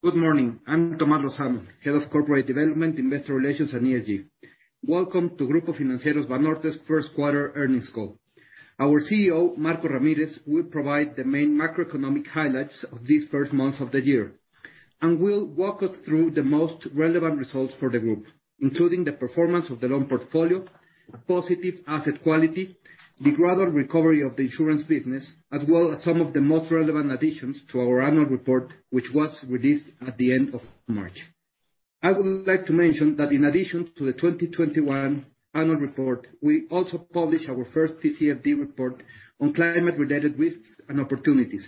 Good morning. I'm Tomás Lozano, Head of Corporate Development, Investor Relations, and ESG. Welcome to Grupo Financiero Banorte's First Quarter Earnings Call. Our CEO, Marcos Ramírez, will provide the main macroeconomic highlights of this first month of the year, and will walk us through the most relevant results for the group, including the performance of the loan portfolio, positive asset quality, the gradual recovery of the insurance business, as well as some of the most relevant additions to our annual report, which was released at the end of March. I would like to mention that in addition to the 2021 annual report, we also published our first TCFD report on climate-related risks and opportunities,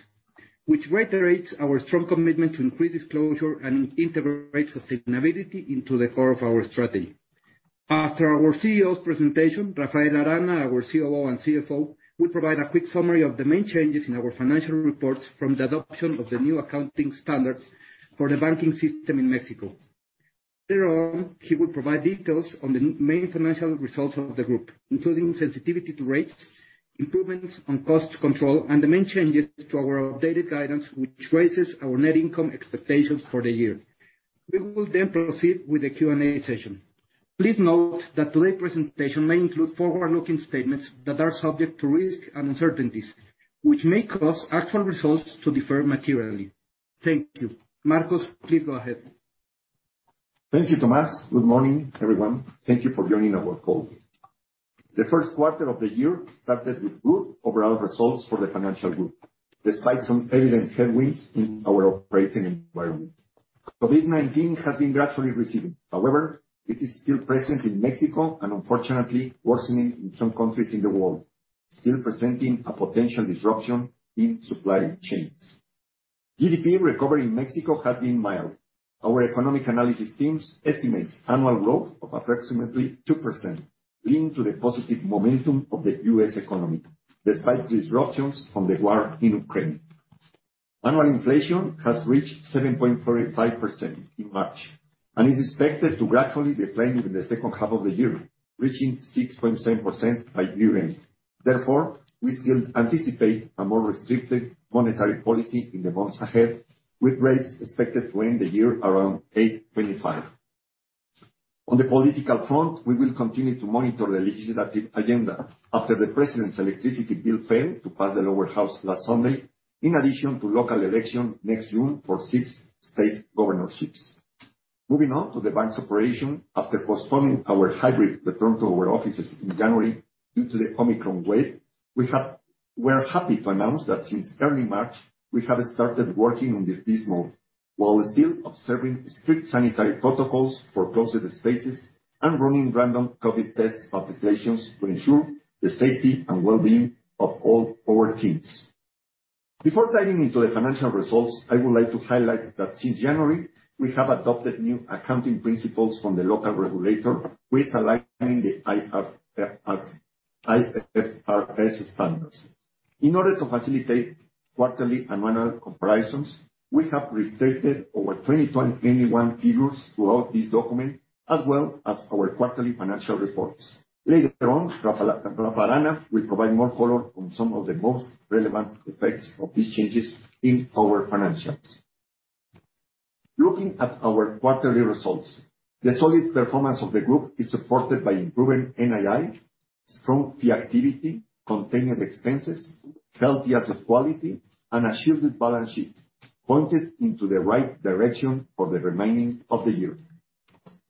which reiterates our strong commitment to increased disclosure and integrates sustainability into the core of our strategy. After our CEO's presentation, Rafael Arana, our COO and CFO, will provide a quick summary of the main changes in our financial reports from the adoption of the new accounting standards for the banking system in Mexico. Later on, he will provide details on the main financial results of the group, including sensitivity to rates, improvements on cost control, and the main changes to our updated guidance, which raises our net income expectations for the year. We will then proceed with the Q&A session. Please note that today's presentation may include forward-looking statements that are subject to risks and uncertainties, which may cause actual results to differ materially. Thank you. Marcos, please go ahead. Thank you, Tomás. Good morning, everyone. Thank you for joining our call. The first quarter of the year started with good overall results for the financial group, despite some evident headwinds in our operating environment. COVID-19 has been gradually receding. However, it is still present in Mexico and unfortunately worsening in some countries in the world, still presenting a potential disruption in supply chains. GDP recovery in Mexico has been mild. Our economic analysis teams estimates annual growth of approximately 2% linked to the positive momentum of the U.S. economy, despite disruptions from the war in Ukraine. Annual inflation has reached 7.45% in March, and is expected to gradually decline during the second half of the year, reaching 6.7% by year-end. Therefore, we still anticipate a more restricted monetary policy in the months ahead, with rates expected to end the year around 8.5. On the political front, we will continue to monitor the legislative agenda after the president's electricity bill failed to pass the Lower House last Sunday, in addition to local election next June for six state governorships. Moving on to the bank's operation, after postponing our hybrid return to our offices in January due to the Omicron wave, we are happy to announce that since early March, we have started working on the office mode, while still observing strict sanitary protocols for closed spaces and running random COVID test populations to ensure the safety and well-being of all our teams. Before diving into the financial results, I would like to highlight that since January, we have adopted new accounting principles from the local regulator aligning with the IFRS standards. In order to facilitate quarterly and annual comparisons, we have restated our 2021 figures throughout this document, as well as our quarterly financial reports. Later on, Rafael Arana will provide more color on some of the most relevant effects of these changes in our financials. Looking at our quarterly results, the solid performance of the group is supported by improving NII, strong fee activity, contained expenses, healthy asset quality, and a shielded balance sheet pointing in the right direction for the remainder of the year.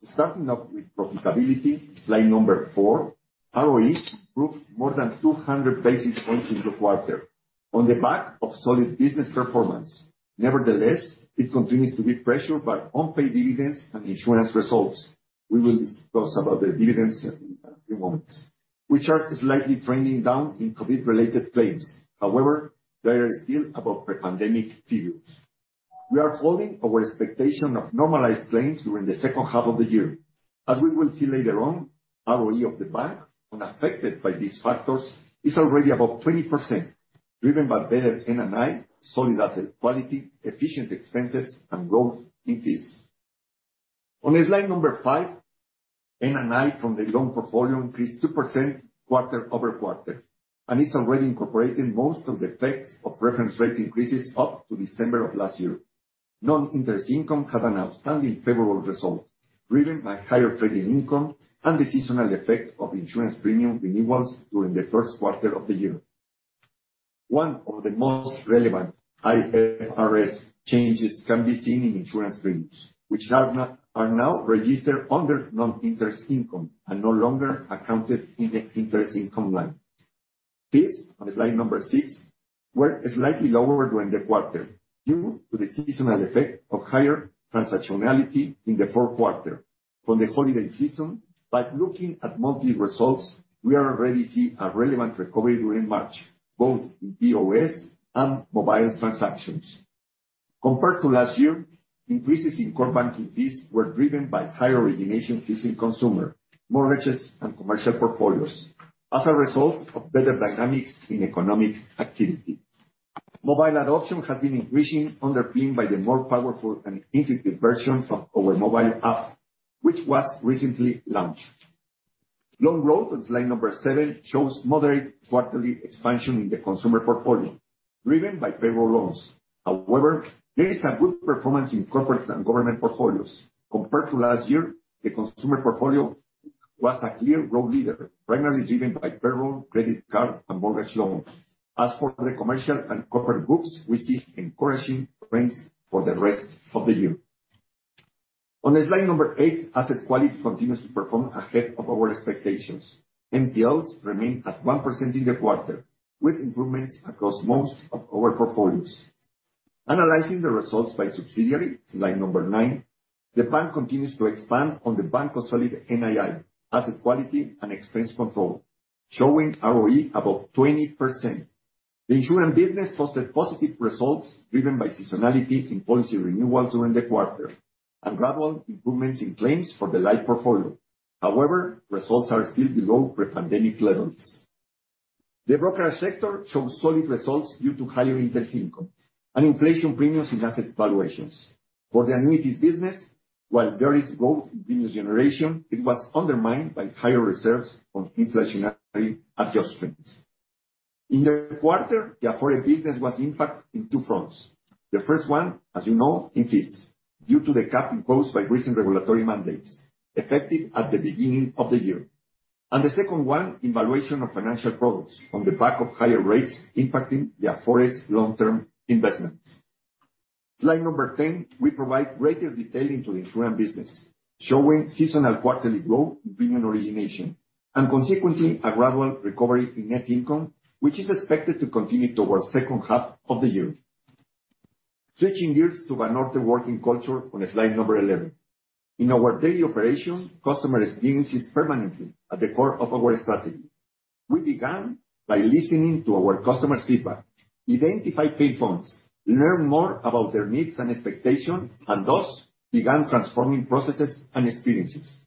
Starting off with profitability, slide 4, ROE improved more than 200 basis points since last quarter on the back of solid business performance. Nevertheless, it continues to be pressured by unpaid dividends and insurance results. We will discuss about the dividends in a few moments. We chart slightly trending down in COVID-19-related claims. However, they are still above pre-pandemic figures. We are holding our expectation of normalized claims during the second half of the year. As we will see later on, ROE of the bank, when affected by these factors, is already above 20%, driven by better NII, solid asset quality, efficient expenses, and growth in fees. On slide 5, NII from the loan portfolio increased 2% quarter-over-quarter, and it's already incorporated most of the effects of reference rate increases up to December of last year. Non-interest income had an outstanding favorable result, driven by higher trading income and the seasonal effect of insurance premium renewals during the first quarter of the year. One of the most relevant IFRS changes can be seen in insurance premiums, which are now registered under non-interest income and no longer accounted in the interest income line. Fees, on slide number six, were slightly lower during the quarter due to the seasonal effect of higher transactionality in the fourth quarter from the holiday season, but looking at monthly results, we are already seeing a relevant recovery during March, both in POS and mobile transactions. Compared to last year, increases in core banking fees were driven by higher origination fees in consumer mortgages and commercial portfolios as a result of better dynamics in economic activity. Mobile adoption has been increasing, underpinned by the more powerful and intuitive version of our mobile app, which was recently launched. Loan growth on slide number seven shows moderate quarterly expansion in the consumer portfolio, driven by payroll loans. However, there is a good performance in corporate and government portfolios. Compared to last year, the consumer portfolio was a clear growth leader, primarily driven by payroll, credit card, and mortgage loans. As for the commercial and corporate books, we see encouraging trends for the rest of the year. On slide 8, asset quality continues to perform ahead of our expectations. NPLs remain at 1% in the quarter, with improvements across most of our portfolios. Analyzing the results by subsidiary, slide 9, the bank continues to expand on the bank consolidated NII, asset quality and expense control, showing ROE above 20%. The insurance business posted positive results driven by seasonality in policy renewals during the quarter and gradual improvements in claims for the life portfolio. However, results are still below pre-pandemic levels. The brokerage sector shows solid results due to higher interest income and inflation premiums in asset valuations. For the annuities business, while there is growth in business generation, it was undermined by higher reserves on inflationary adjustments. In the quarter, the Afore business was impacted in two fronts. The first one, as you know, in fees due to the cap imposed by recent regulatory mandates effective at the beginning of the year. The second one, in valuation of financial products on the back of higher rates impacting the Afores long-term investments. Slide number 10, we provide greater detail into the insurance business, showing seasonal quarterly growth in premium origination and consequently a gradual recovery in net income, which is expected to continue towards second half of the year. Switching gears to Banorte working culture on slide number 11. In our daily operations, customer experience is permanently at the core of our strategy. We began by listening to our customers' feedback, identify pain points, learn more about their needs and expectations, and thus began transforming processes and experiences.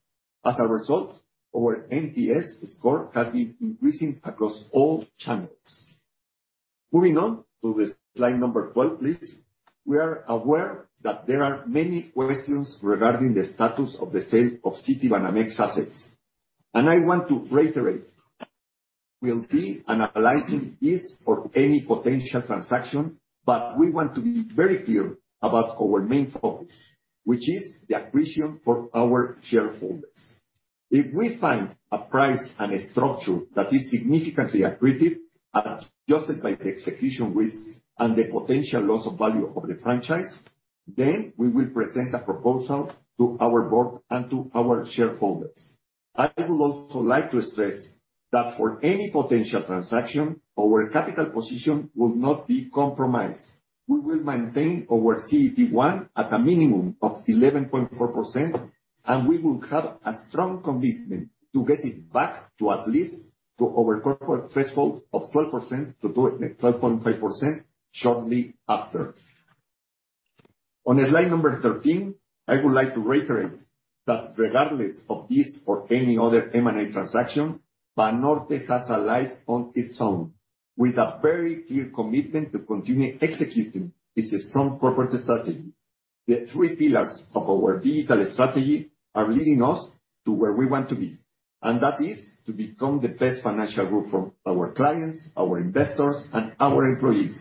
As a result, our NPS score has been increasing across all channels. Moving on to slide number 12, please. We are aware that there are many questions regarding the status of the sale of Citi Banamex assets, and I want to reiterate, we'll be analyzing this or any potential transaction, but we want to be very clear about our main focus, which is the accretion for our shareholders. If we find a price and a structure that is significantly accretive and adjusted by the execution risk and the potential loss of value of the franchise, then we will present a proposal to our board and to our shareholders. I would also like to stress that for any potential transaction, our capital position will not be compromised. We will maintain our CET1 at a minimum of 11.4%, and we will have a strong commitment to get it back to at least our corporate threshold of 12% to 12.5% shortly after. On slide 13, I would like to reiterate that regardless of this or any other M&A transaction, Banorte has a life on its own, with a very clear commitment to continue executing its strong corporate strategy. The three pillars of our digital strategy are leading us to where we want to be, and that is to become the best financial group for our clients, our investors, and our employees.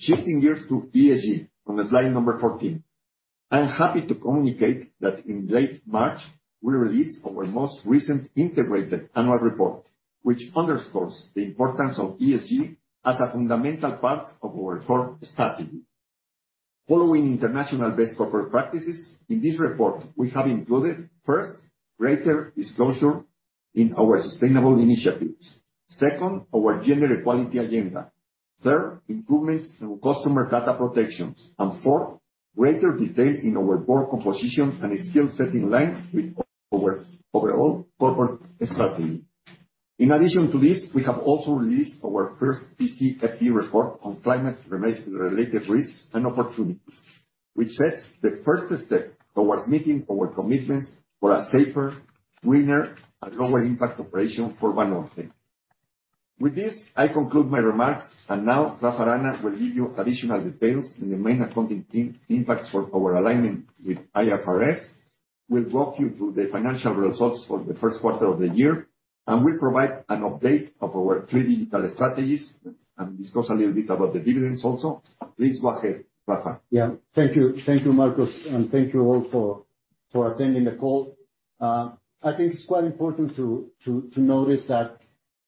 Shifting gears to ESG on slide 14. I am happy to communicate that in late March, we released our most recent integrated annual report, which underscores the importance of ESG as a fundamental part of our core strategy. Following international best corporate practices, in this report, we have included, first, greater disclosure in our sustainable initiatives. Second, our gender equality agenda. Third, improvements in customer data protections. And fourth, greater detail in our board composition and skill set in line with our overall corporate strategy. In addition to this, we have also released our first TCFD report on climate-related risks and opportunities, which sets the first step towards meeting our commitments for a safer, greener, and lower impact operation for Banorte. With this, I conclude my remarks, and now Rafa Arana will give you additional details in the main accounting impacts for our alignment with IFRS, will walk you through the financial results for the first quarter of the year, and will provide an update of our three digital strategies and discuss a little bit about the dividends also. Please go ahead, Rafa. Yeah. Thank you. Thank you, Marcos, and thank you all for attending the call. I think it's quite important to notice that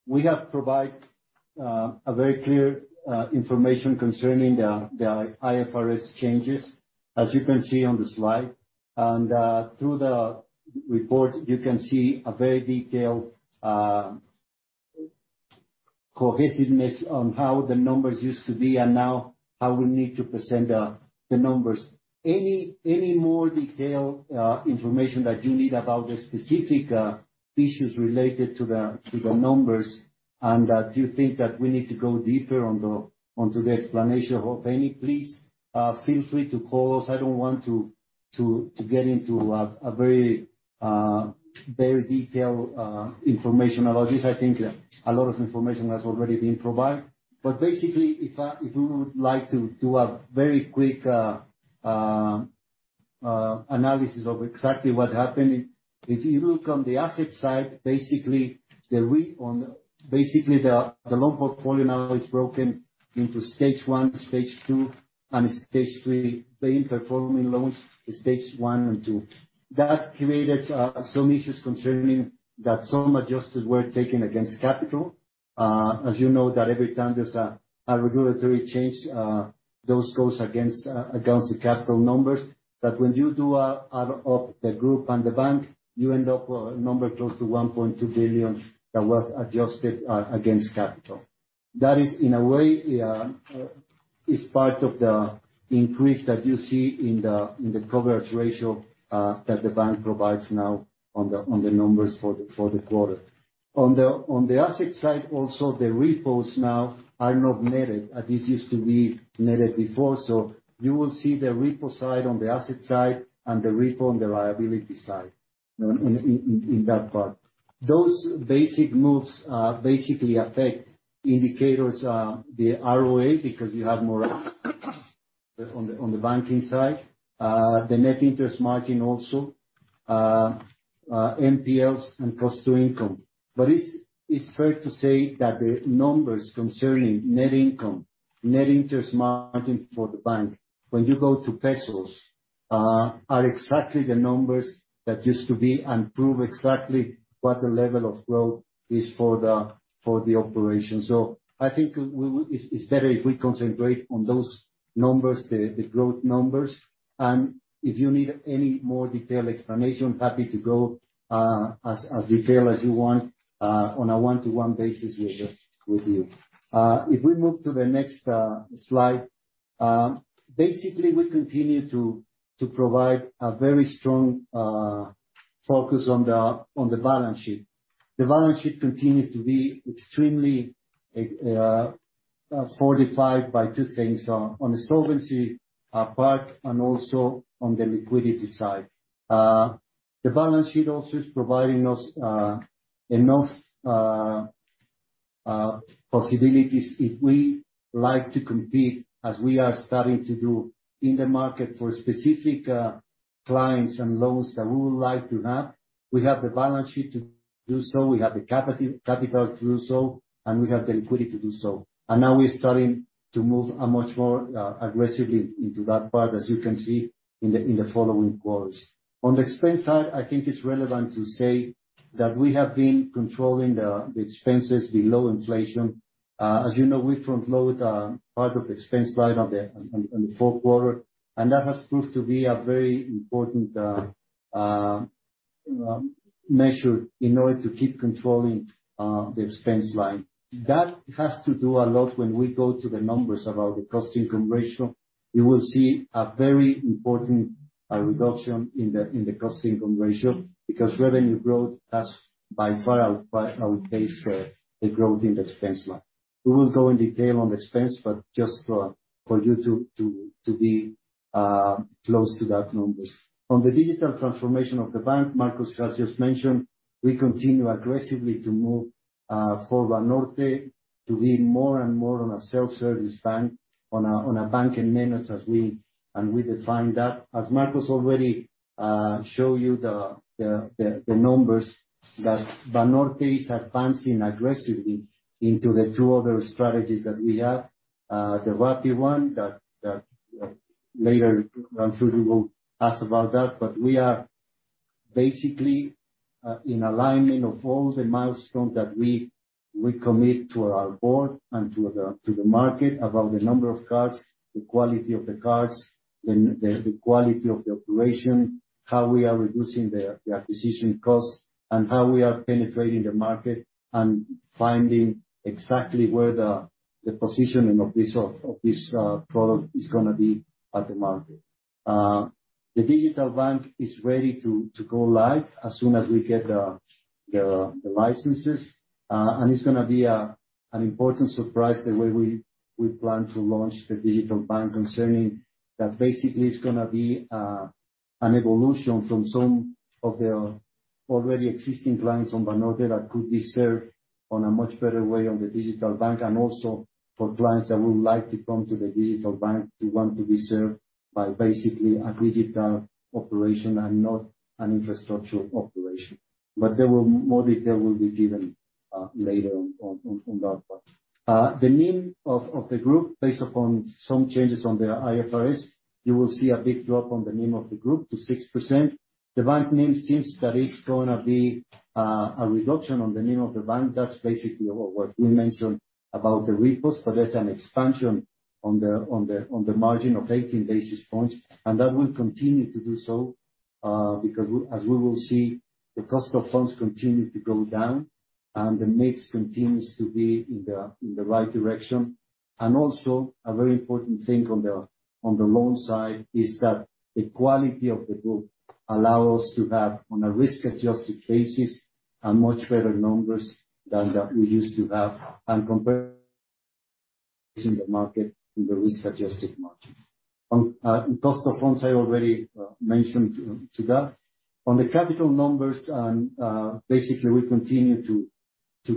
we have provided a very clear information concerning the IFRS changes, as you can see on the slide. Through the report, you can see a very detailed cohesiveness on how the numbers used to be and now how we need to present the numbers. Any more detailed information that you need about the specific issues related to the numbers and that you think that we need to go deeper on the explanation of any, please feel free to call us. I don't want to get into a very detailed information about this. I think a lot of information has already been provided. Basically, if you would like to do a very quick analysis of exactly what happened. If you look on the asset side, basically, the loan portfolio now is broken into stage one, stage two, and stage three. The non-performing loans is stage one and two. That created some issues concerning that some adjustments were taken against capital. As you know, that every time there's a regulatory change, those goes against the capital numbers. That, when you do add up the group and the bank, you end up with a number close to 1.2 billion that was adjusted against capital. That is, in a way, is part of the increase that you see in the coverage ratio that the bank provides now on the numbers for the quarter. On the asset side also, the repos now are not netted. This used to be netted before. You will see the repo side on the asset side and the repo on the liability side in that part. Those basic moves basically affect indicators, the ROA, because you have more on the banking side. The net interest margin also, NPLs and cost to income. It's fair to say that the numbers concerning net income, net interest margin for the bank, when you go to pesos, are exactly the numbers that used to be and prove exactly what the level of growth is for the operation. I think it is better if we concentrate on those numbers, the growth numbers, and if you need any more detailed explanation, happy to go as detailed as you want on a one-to-one basis with you. If we move to the next slide, basically we continue to provide a very strong focus on the balance sheet. The balance sheet continues to be extremely fortified by two things. On the solvency part and also on the liquidity side. The balance sheet also is providing us enough possibilities if we like to compete as we are starting to do in the market for specific clients and loans that we would like to have. We have the balance sheet to do so, we have the capital to do so, and we have the liquidity to do so. Now we're starting to move much more aggressively into that part, as you can see in the following quarters. On the expense side, I think it's relevant to say that we have been controlling the expenses below inflation. As you know, we front-load part of expense line on the fourth quarter, and that has proved to be a very important measure in order to keep controlling the expense line. That has to do a lot, when we go to the numbers, about the cost income ratio. You will see a very important reduction in the cost income ratio because revenue growth has by far outpaced the growth in the expense line. We won't go in detail on the expense, but just for you to be close to that numbers. On the digital transformation of the bank, Marcos has just mentioned, we continue aggressively to move for Banorte to be more and more on a self-service bank, on a bank in minutes as we defined that. As Marcos already show you the numbers that Banorte is advancing aggressively into the two other strategies that we have. The Rappi one that later on through we will ask about that. We are basically in alignment of all the milestones that we commit to our board and to the market about the number of cards, the quality of the cards, the quality of the operation, how we are reducing the acquisition costs, and how we are penetrating the market and finding exactly where the positioning of this product is gonna be at the market. The digital bank is ready to go live as soon as we get the licenses. It's gonna be an important surprise the way we plan to launch the digital bank concerning that basically it's gonna be an evolution from some of the already existing clients on Banorte that could be served on a much better way on the digital bank, and also for clients that would like to come to the digital bank to want to be served by basically a digital operation and not an infrastructure operation. More detail will be given later on that part. The NIM of the group, based upon some changes on the IFRS, you will see a big drop on the NIM of the group to 6%. The bank NIM seems that it's gonna be a reduction on the NIM of the bank. That's basically what we mentioned about the repos, but that's an expansion on the margin of 18 basis points. That will continue to do so, because as we will see, the cost of funds continue to go down, and the mix continues to be in the right direction. Also, a very important thing on the loan side is that the quality of the group allow us to have, on a risk-adjusted basis, a much better numbers than that we used to have. Compared in the market, in the risk-adjusted market. In cost of funds, I already mentioned to that. On the capital numbers and basically we continue to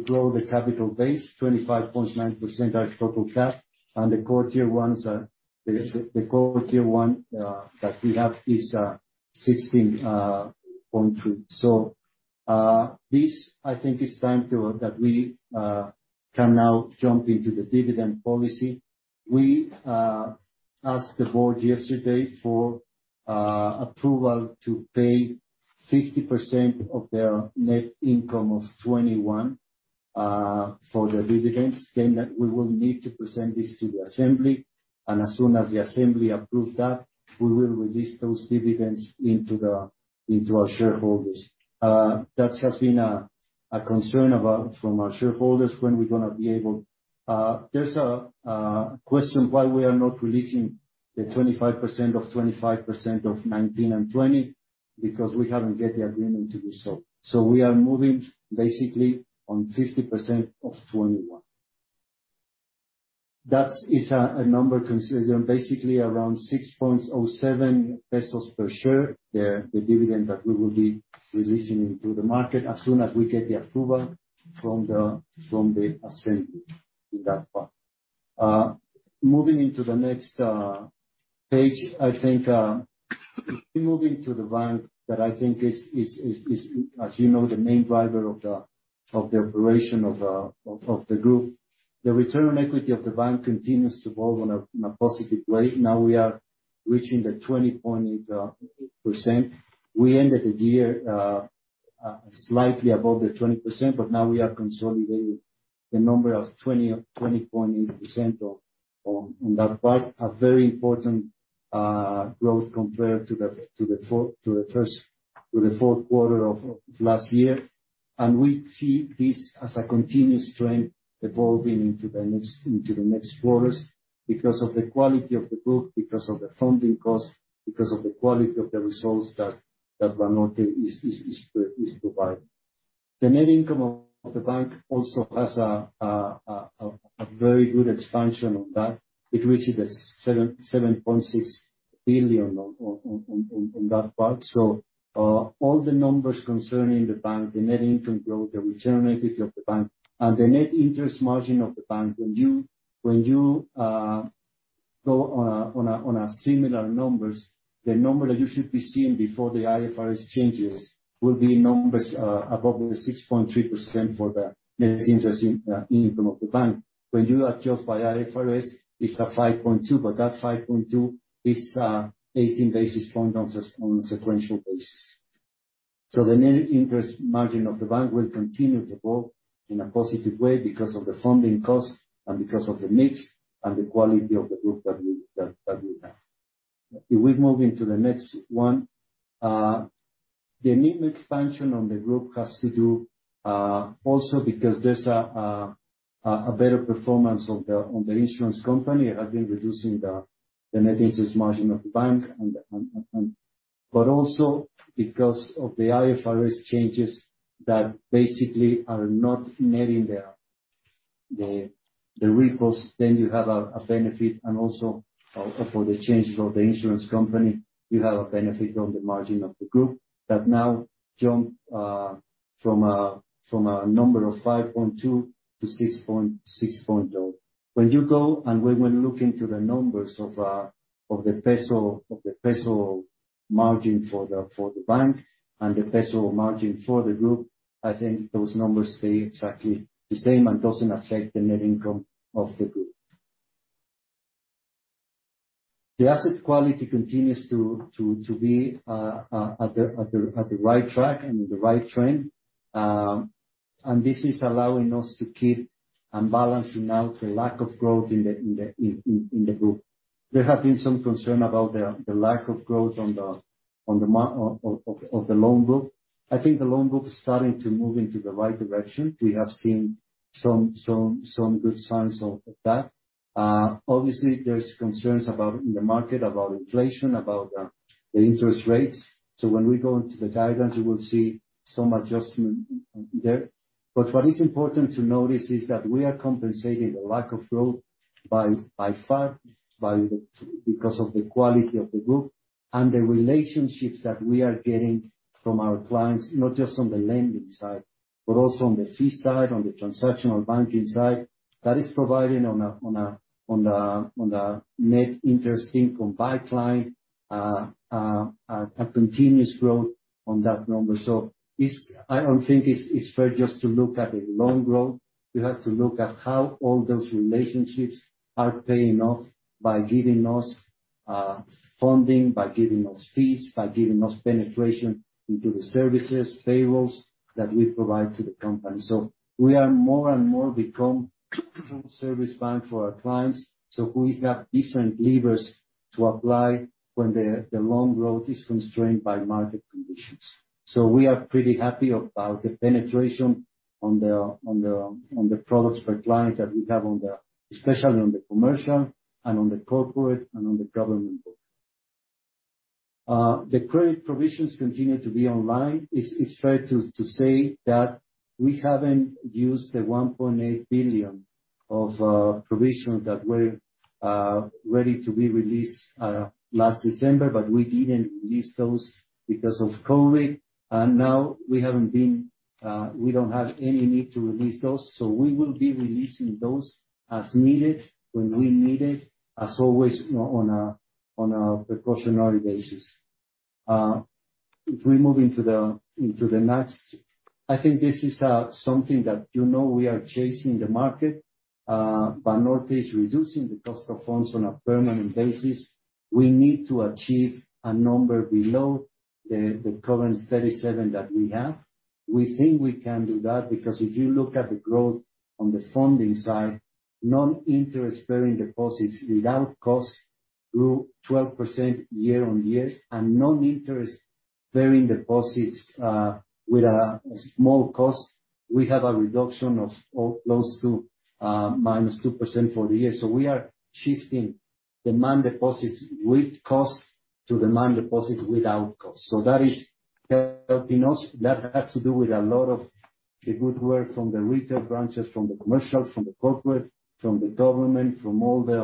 grow the capital base, 25.9% our total cap, and the core Tier-1 that we have is 16.3%. This, I think it's time that we can now jump into the dividend policy. We asked the board yesterday for approval to pay 50% of their net income of 2021 for their dividends. We will need to present this to the assembly, and as soon as the assembly approves that, we will release those dividends to our shareholders. That has been a concern from our shareholders, when we're gonna be able... There's a question why we are not releasing the 25% of 25% of 2019 and 2020, because we haven't get the agreement to do so. We are moving basically on 50% of 2021. That is a number basically around 6.07 pesos per share, the dividend that we will be releasing into the market as soon as we get the approval from the assembly in that part. Moving into the next page, I think, moving to the bank that I think is, as you know, the main driver of the operation of the group. The return on equity of the bank continues to evolve in a positive way. Now we are reaching the 20.88%. We ended the year slightly above the 20%, but now we are consolidating the number of 20.8% on that part. A very important growth compared to the fourth quarter of last year. We see this as a continuous trend evolving into the next quarters because of the quality of the group, because of the funding cost, because of the quality of the results that Banorte is providing. The net income of the bank also has a very good expansion on that. It reaches at 7.6 billion on that part. All the numbers concerning the bank, the net income growth, the return on equity of the bank, and the net interest margin of the bank, when you go on similar numbers, the numbers that you should be seeing before the IFRS changes will be above 6.3% for the net interest income of the bank. When you adjust by IFRS, it's at 5.2%, but that 5.2% is 18 basis points on a sequential basis. The net interest margin of the bank will continue to grow in a positive way because of the funding cost and because of the mix and the quality of the group that we have. If we move into the next one. The NIM expansion on the group has to do also because there's a better performance of the on the insurance company have been reducing the net interest margin of the bank and also because of the IFRS changes that basically are not netting the reinsurance then you have a benefit and also for the changes of the insurance company you have a benefit on the margin of the group that now jump from a number of 5.2% to 6.0%. When you go and when looking to the numbers of the peso margin for the bank and the peso margin for the group I think those numbers stay exactly the same and doesn't affect the net income of the group. The asset quality continues to be on the right track and in the right trend. This is allowing us to keep on balancing out the lack of growth in the group. There have been some concern about the lack of growth of the loan group. I think the loan group is starting to move in the right direction. We have seen some good signs of that. Obviously, there's concerns in the market about inflation, about the interest rates. When we go into the guidance, you will see some adjustment there. What is important to notice is that we are compensating the lack of growth because of the quality of the group and the relationships that we are getting from our clients, not just on the lending side, but also on the fee side, on the transactional banking side. That is providing, on the net interest income pipeline, a continuous growth on that number. I don't think it's fair just to look at the loan growth. We have to look at how all those relationships are paying off by giving us funding, by giving us fees, by giving us penetration into the services, payrolls that we provide to the company. We are more and more become service bank for our clients. We have different levers to apply when the loan growth is constrained by market conditions. We are pretty happy about the penetration on the products per client that we have, especially on the commercial and on the corporate and on the government book. The credit provisions continue to be in line. It is fair to say that we haven't used the 1.8 billion of provision that were ready to be released last December, but we didn't release those because of COVID. Now we don't have any need to release those. We will be releasing those as needed, when we need it, as always, on a precautionary basis. If we move into the next, I think this is something that you know we are chasing the market. Banorte is reducing the cost of funds on a permanent basis. We need to achieve a number below the current 37 that we have. We think we can do that because if you look at the growth on the funding side, non-interest bearing deposits without cost grew 12% year-on-year, and non-interest bearing deposits with a small cost, we have a reduction of close to -2% for the year. We are shifting demand deposits with cost to demand deposits without cost. That is helping us. That has to do with a lot of the good work from the retail branches, from the commercial, from the corporate, from the government, from all the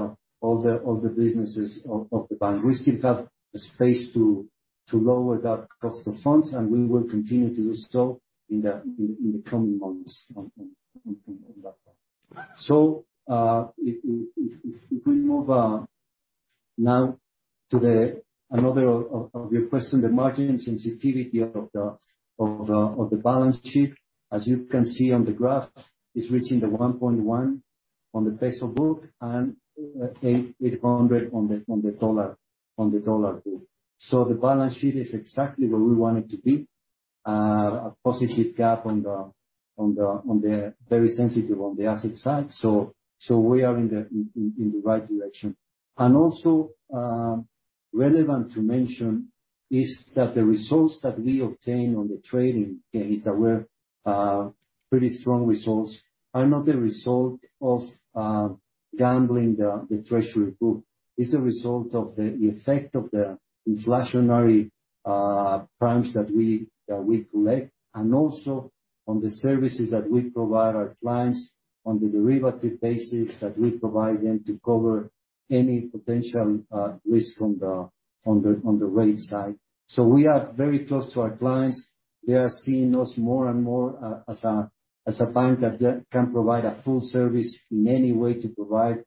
businesses of the bank. We still have the space to lower that cost of funds, and we will continue to do so in the coming months on that part. If we move now to another of your questions, the margin sensitivity of the balance sheet. As you can see on the graph, it's reaching 1.1 on the peso book and 800 on the dollar book. The balance sheet is exactly where we want it to be. A positive gap on the very sensitive asset side. We are in the right direction. Relevant to mention is that the results that we obtain on the trading gains that were pretty strong results are not the result of gambling the treasury book. It's a result of the effect of the inflationary premiums that we collect, and also on the services that we provide our clients on the derivatives business that we provide them to cover any potential risk on the rate side. We are very close to our clients. They are seeing us more and more as a bank that can provide a full service in any way to provide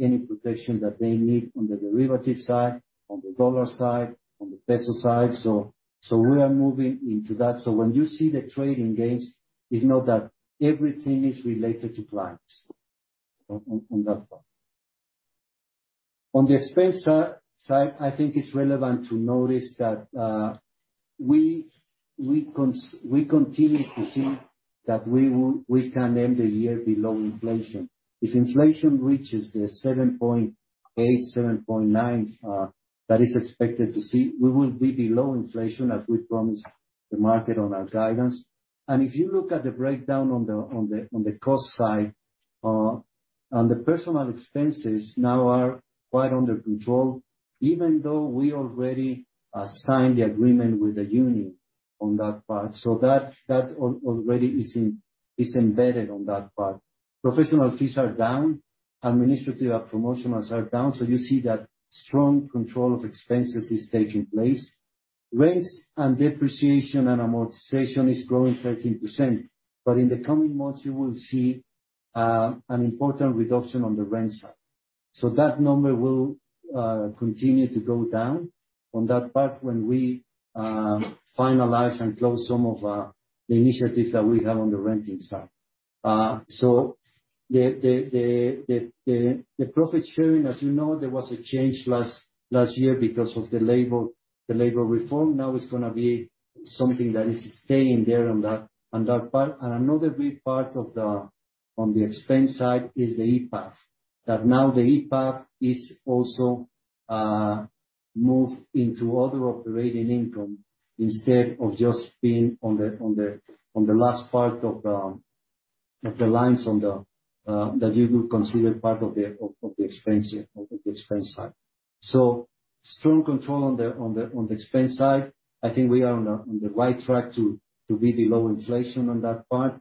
any protection that they need on the derivative side, on the dollar side, on the peso side. We are moving into that. When you see the trading gains, it's not that everything is related to clients on that part. On the expense side, I think it's relevant to notice that we continue to see that we can end the year below inflation. If inflation reaches 7.8%-7.9% that is expected to see, we will be below inflation as we promised the market on our guidance. If you look at the breakdown on the cost side, on the personal expenses now are quite under control, even though we already signed the agreement with the union on that part. That already is embedded on that part. Professional fees are down. Administrative and promotionals are down. So you see that strong control of expenses is taking place. Rents and depreciation and amortization is growing 13%, but in the coming months you will see an important reduction on the rent side. So that number will continue to go down on that part when we finalize and close some of the initiatives that we have on the renting side. The profit sharing, as you know, there was a change last year because of the labor reform. Now it's gonna be something that is staying there on that part. Another big part on the expense side is the IPAB. Now the IPAB is also moved into other operating income instead of just being on the last part of the lines on the that you will consider part of the expense here of the expense side. Strong control on the expense side. I think we are on the right track to be below inflation on that part.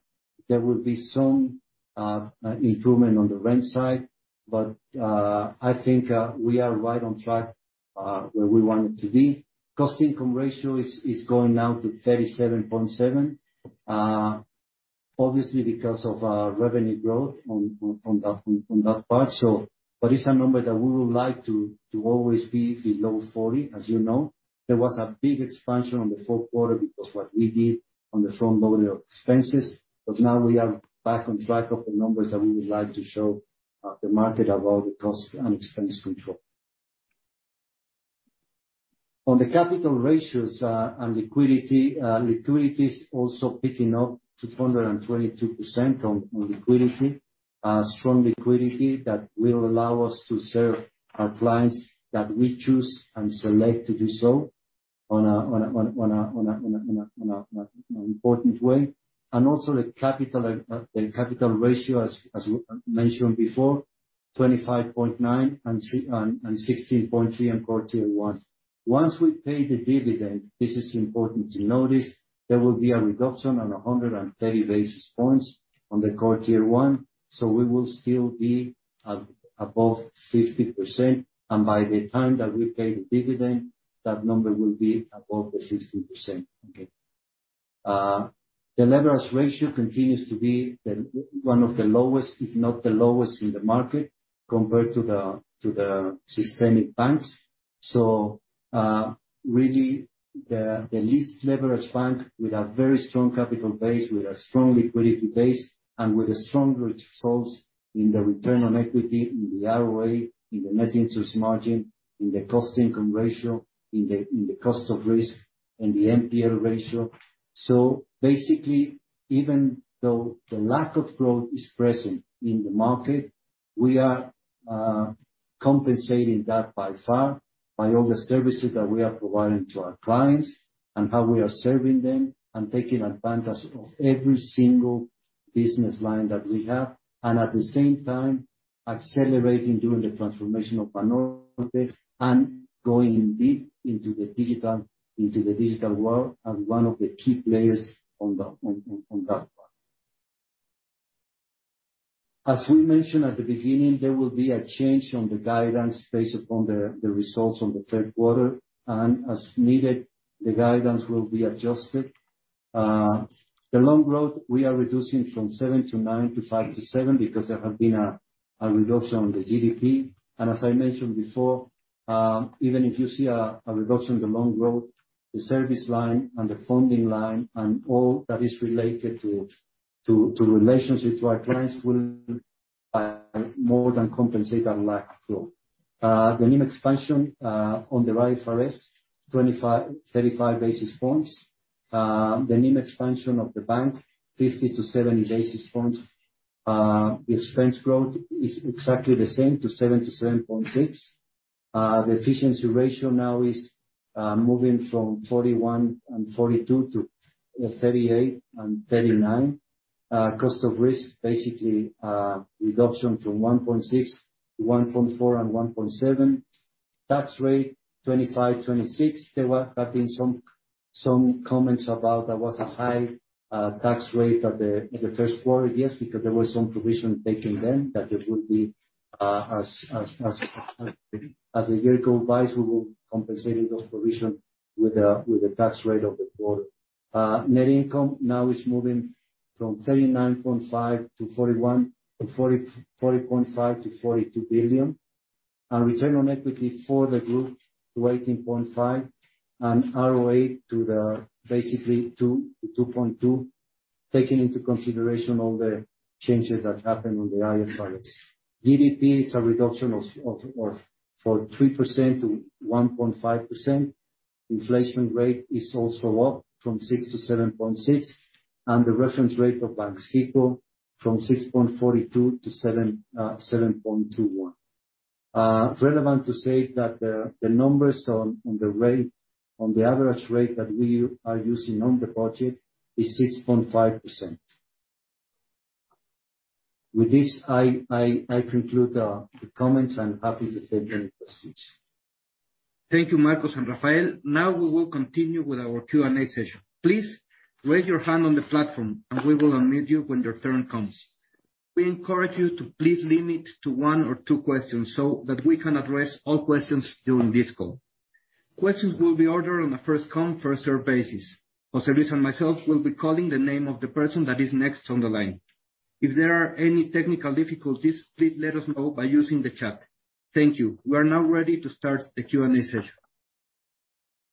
There will be some improvement on the net side, but I think we are right on track where we want it to be. Cost income ratio is going now to 37.7%, obviously because of revenue growth from that part. It's a number that we would like to always be below 40%, as you know. There was a big expansion in the fourth quarter because what we did on the front-loading of expenses, but now we are back on track of the numbers that we would like to show the market about the cost and expense control. On the capital ratios and liquidity is also picking up to 222% on liquidity. Strong liquidity that will allow us to serve our clients that we choose and select to do so on a important way. Also the capital ratio, as we mentioned before. 25.9, and 16.3 in core Tier 1. Once we pay the dividend, this is important to notice, there will be a reduction of 130 basis points on the core Tier 1, so we will still be above 50%. By the time that we pay the dividend, that number will be above the 50%, okay? The leverage ratio continues to be one of the lowest, if not the lowest in the market, compared to the systemic banks. Really the least leveraged bank with a very strong capital base, with a strong liquidity base, and with strong results in the return on equity, in the ROA, in the net interest margin, in the cost income ratio, in the cost of risk, in the NPL ratio. Basically, even though the lack of growth is present in the market, we are compensating that by far by all the services that we are providing to our clients and how we are serving them and taking advantage of every single business line that we have. At the same time, accelerating during the transformation of Banorte and going deep into the digital world as one of the key players on that part. As we mentioned at the beginning, there will be a change on the guidance based upon the results on the third quarter, and as needed, the guidance will be adjusted. The loan growth, we are reducing from 7%-9% to 5%-7% because there have been a reduction on the GDP. As I mentioned before, even if you see a reduction in the loan growth, the service line and the funding line, and all that is related to relations with our clients will more than compensate our lack of flow. The NIM expansion on the IFRS, 25-35 basis points. The NIM expansion of the bank, 50-70 basis points. The expense growth is exactly the same, 7%-7.6%. The efficiency ratio now is moving from 41%-42% to 38%-39%. Cost of risk, basically, reduction from 1.6% to 1.4% and 1.7%. Tax rate 25-26%. There have been some comments about there was a high tax rate in the first quarter. Yes, because there was some provision taken then, but it would be as the year go by, we will compensate those provision with the tax rate of the quarter. Net income now is moving from 39.5 billion to 41 billion, or 40.5 billion to 42 billion. Return on equity for the group to 18.5%. ROA basically 2%-2.2%, taking into consideration all the changes that happened on the IFRS. GDP, it's a reduction of from 3%-1.5%. Inflation rate is also up from 6%-7.6%. The reference rate of Banxico from 6.42%-7.21%. Relevant to say that the numbers on the rate, on the average rate that we are using on the budget is 6.5%. With this, I conclude the comments. I'm happy to take any questions. Thank you, Marcos and Rafael. Now we will continue with our Q&A session. Please raise your hand on the platform, and we will unmute you when your turn comes. We encourage you to please limit to one or two questions so that we can address all questions during this call. Questions will be ordered on a first come, first serve basis. José Luis and myself will be calling the name of the person that is next on the line. If there are any technical difficulties, please let us know by using the chat. Thank you. We're now ready to start the Q&A session.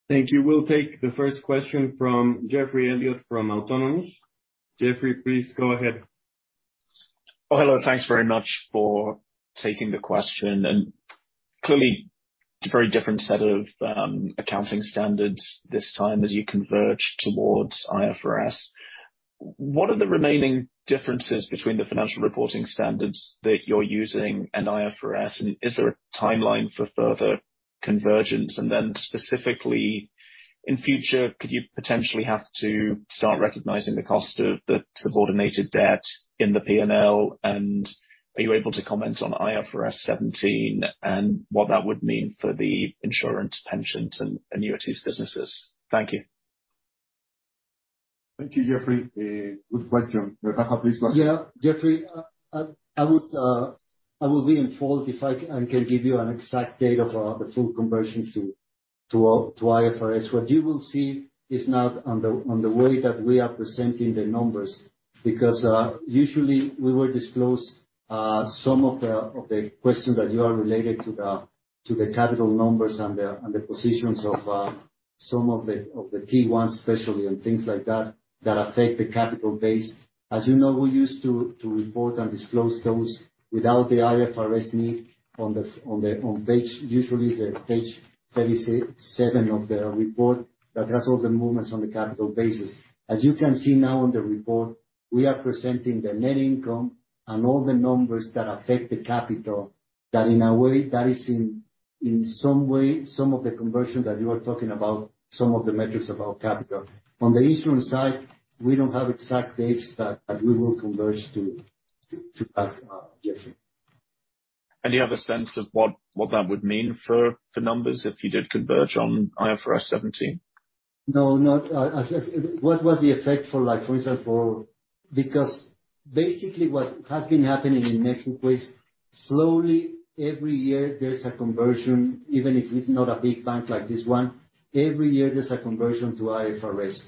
Thank you. We'll take the first question from Geoffrey Elliott from Autonomous. Geoffrey, please go ahead. Oh, hello. Thanks very much for taking the question. Clearly it's a very different set of accounting standards this time as you converge towards IFRS. What are the remaining differences between the financial reporting standards that you're using and IFRS? Is there a timeline for further convergence? Then specifically, in future, could you potentially have to start recognizing the cost of the subordinated debt in the P&L? Are you able to comment on IFRS 17 and what that would mean for the insurance, pensions, and annuities businesses? Thank you. Thank you, Geoffrey. Good question. Rafael, please go ahead. Yeah, Geoffrey, I will be at fault if I can't give you an exact date of the full conversion to IFRS. What you will see is now on the way that we are presenting the numbers, because usually we will disclose some of the questions that you raised related to the capital numbers and the positions of some of the Tier 1 especially, and things like that affect the capital base. As you know, we used to report and disclose those without the IFRS 9 on page 37 of the report that has all the movements on the capital basis. As you can see now on the report, we are presenting the net income and all the numbers that affect the capital that in a way that is in some way, some of the conversion that you are talking about, some of the metrics about capital. On the insurance side, we don't have exact dates, but we will converge to that, yes, sir. You have a sense of what that would mean for numbers if you did converge on IFRS 17? No, not. What was the effect for like, for instance, for? Because basically what has been happening in Mexico is slowly, every year, there's a conversion, even if it's not a big bank like this one, every year there's a conversion to IFRS.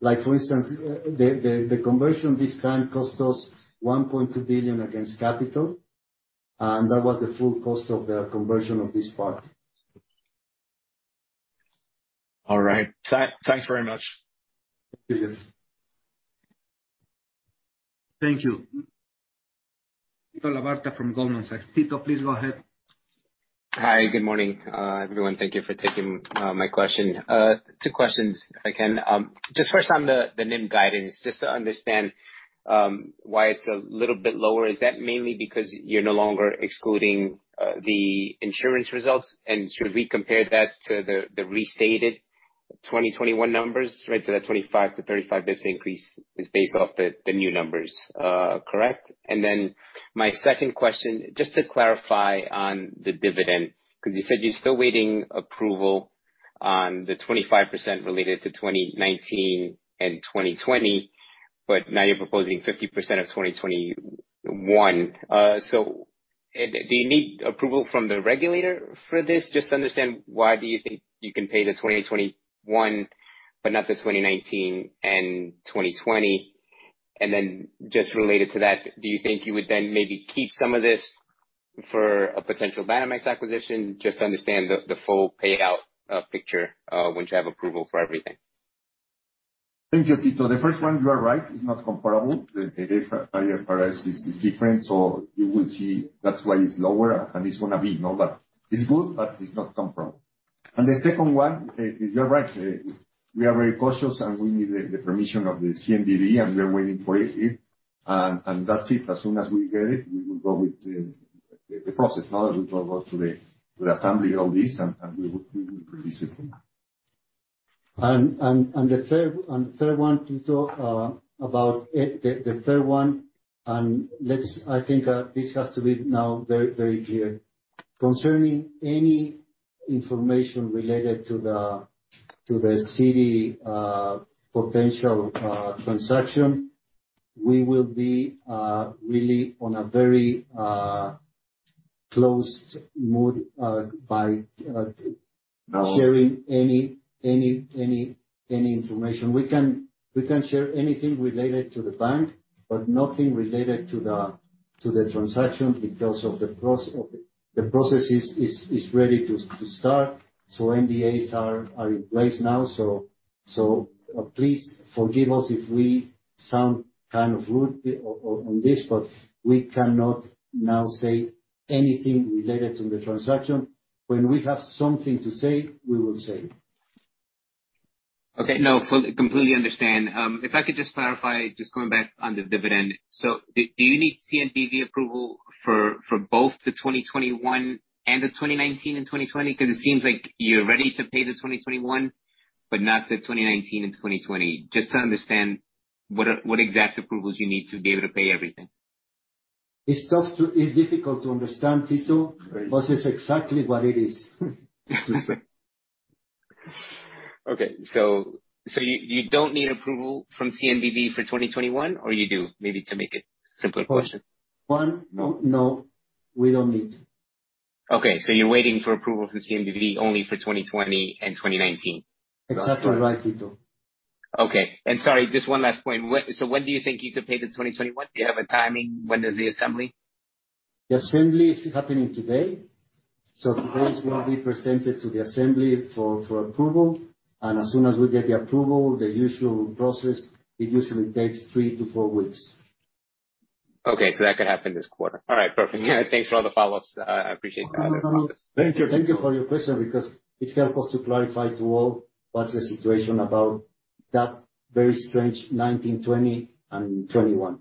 Like, for instance, the conversion this time cost us 1.2 billion against capital, and that was the full cost of the conversion of this part. All right. Thanks very much. Thank you. Tito Labarta from Goldman Sachs. Tito, please go ahead. Hi, good morning, everyone. Thank you for taking my question. Two questions, if I can. Just first on the NIM guidance, just to understand why it's a little bit lower. Is that mainly because you're no longer excluding the insurance results? And should we compare that to the restated 2021 numbers? Right. So that 25-35 basis increase is based off the new numbers, correct? And then my second question, just to clarify on the dividend, because you said you're still waiting approval on the 25% related to 2019 and 2020, but now you're proposing 50% of 2021. So do you need approval from the regulator for this? Just to understand why do you think you can pay the 2021 but not the 2019 and 2020. Just related to that, do you think you would then maybe keep some of this for a potential Banamex acquisition just to understand the full payout picture once you have approval for everything? Thank you, Tito. The first one, you are right, it's not comparable. The IFRS is different. So you will see that's why it's lower and it's gonna be. No, but it's good, but it's not comparable. The second one, you're right. We are very cautious, and we need the permission of the CNBV, and we are waiting for it. That's it. As soon as we get it, we will go with the process. Now that we go out to the assembly all this, and we will release it. The third one, Tito, about it. The third one, and let's. I think this has to be now very clear. Concerning any information related to the Citi potential transaction, we will be really in a very cautious mode about sharing any information. We can share anything related to the bank, but nothing related to the transaction because the process is ready to start. NDAs are in place now. Please forgive us if we sound kind of rude on this, but we cannot now say anything related to the transaction. When we have something to say, we will say it. Okay. No, I completely understand. If I could just clarify, just coming back on the dividend. Do you need CNBV approval for both the 2021 and the 2019 and 2020? Because it seems like you're ready to pay the 2021, but not the 2019 and 2020. Just to understand what exact approvals you need to be able to pay everything. It's difficult to understand, Tito, but it's exactly what it is. Okay. You don't need approval from CNBV for 2021 or you do? Maybe to make it simpler question. No, we don't need. You're waiting for approval from CNBV only for 2020 and 2019? Exactly right, Tito. Okay. Sorry, just one last point. When do you think you could pay the 2021? Do you have a timing? When does the assembly? The assembly is happening today. Today it will be presented to the assembly for approval. As soon as we get the approval, the usual process, it usually takes 3-4 weeks. Okay. That could happen this quarter. All right, perfect. Thanks for all the follow-ups. I appreciate that. Thank you. Thank you for your question because it helped us to clarify to all what's the situation about that very strange 2019, 2020 and 2021.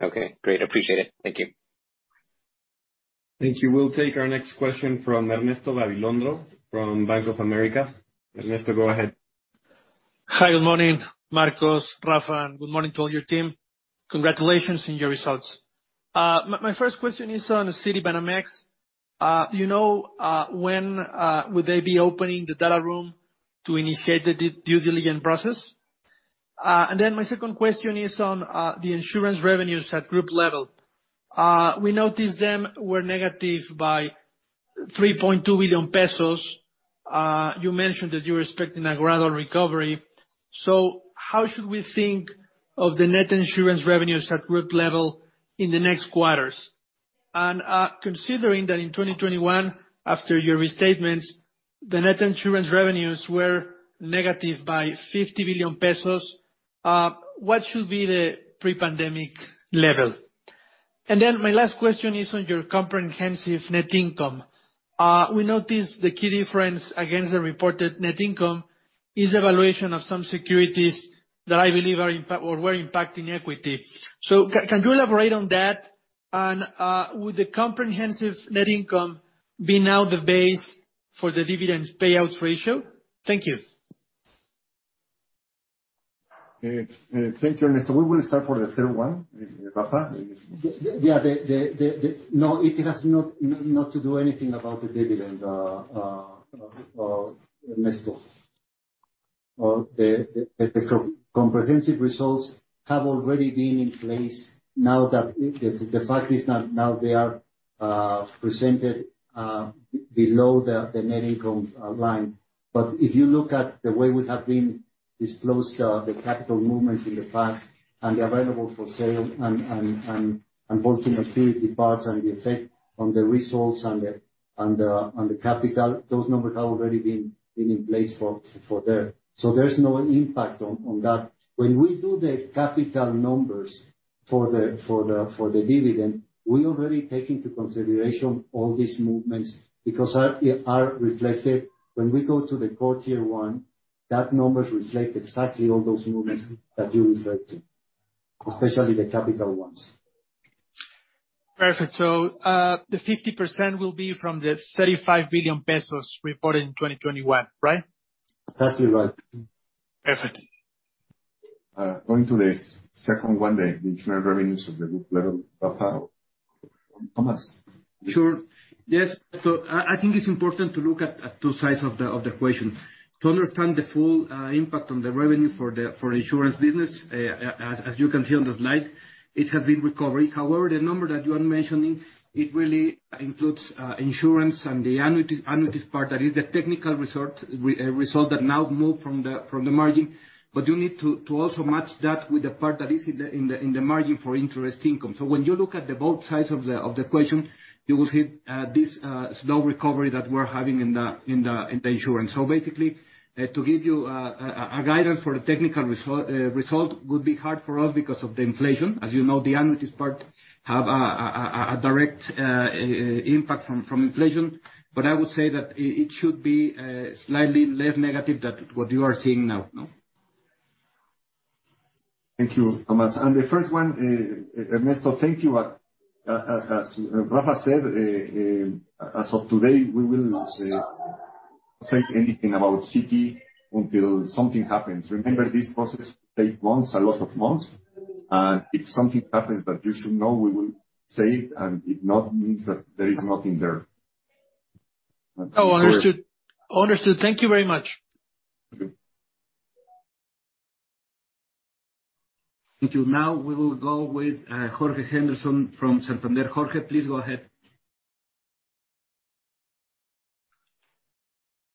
Okay, great. Appreciate it. Thank you. Thank you. We'll take our next question from Ernesto Gabilondo from Bank of America. Ernesto, go ahead. Hi. Good morning, Marcos, Rafa, and good morning to all your team. Congratulations on your results. My first question is on Citi Banamex. Do you know when they will be opening the data room to initiate the due diligence process? My second question is on the insurance revenues at group level. We noticed they were negative by 3.2 billion pesos. You mentioned that you're expecting a gradual recovery. How should we think of the net insurance revenues at group level in the next quarters? Considering that in 2021, after your restatements, the net insurance revenues were negative by 50 billion pesos, what should be the pre-pandemic level? My last question is on your comprehensive net income. We noticed the key difference against the reported net income is evaluation of some securities that I believe are impacting or were impacting equity. Can you elaborate on that? Would the comprehensive net income be now the base for the dividend payout ratio? Thank you. Thank you, Ernesto. We will start for the third one. Rafa? No, it has nothing to do with the dividend, Ernesto. The comprehensive results have already been in place now that the fact is, now they are presented below the net income line. If you look at the way we have disclosed the capital movements in the past and the available for sale and trading activity parts and the effect on the results and the capital, those numbers have already been in place for years. There's no impact on that. When we do the capital numbers for the dividend, we already take into consideration all these movements because they are reflected when we go to the core Tier-1. Those numbers reflect exactly all those movements that you referred to, especially the capital ones. Perfect. The 50% will be from the 35 billion pesos reported in 2021, right? That's right. Perfect. Going to the second one, the insurance revenues of the group level, Rafael. Tomas? Sure. Yes. I think it's important to look at two sides of the equation. To understand the full impact on the revenue for the insurance business, as you can see on the slide, it has been recovery. However, the number that you are mentioning, it really includes insurance and the annuities part that is the technical result that now move from the margin. You need to also match that with the part that is in the margin for interest income. When you look at both sides of the equation, you will see this slow recovery that we're having in the insurance. Basically, to give you a guidance for the technical result would be hard for us because of the inflation. As you know, the annuities part have a direct impact from inflation. I would say that it should be slightly less negative than what you are seeing now. No? Thank you, Tomás. The first one, Ernesto, thank you. As Rafael said, as of today, we will say anything about Citi until something happens. Remember, this process take months, a lot of months. If something happens that you should know, we will say it, and if not, means that there is nothing there. Oh, understood. Thank you very much. Okay. Thank you. Now we will go with, Jorge Henderson from Santander. Jorge, please go ahead.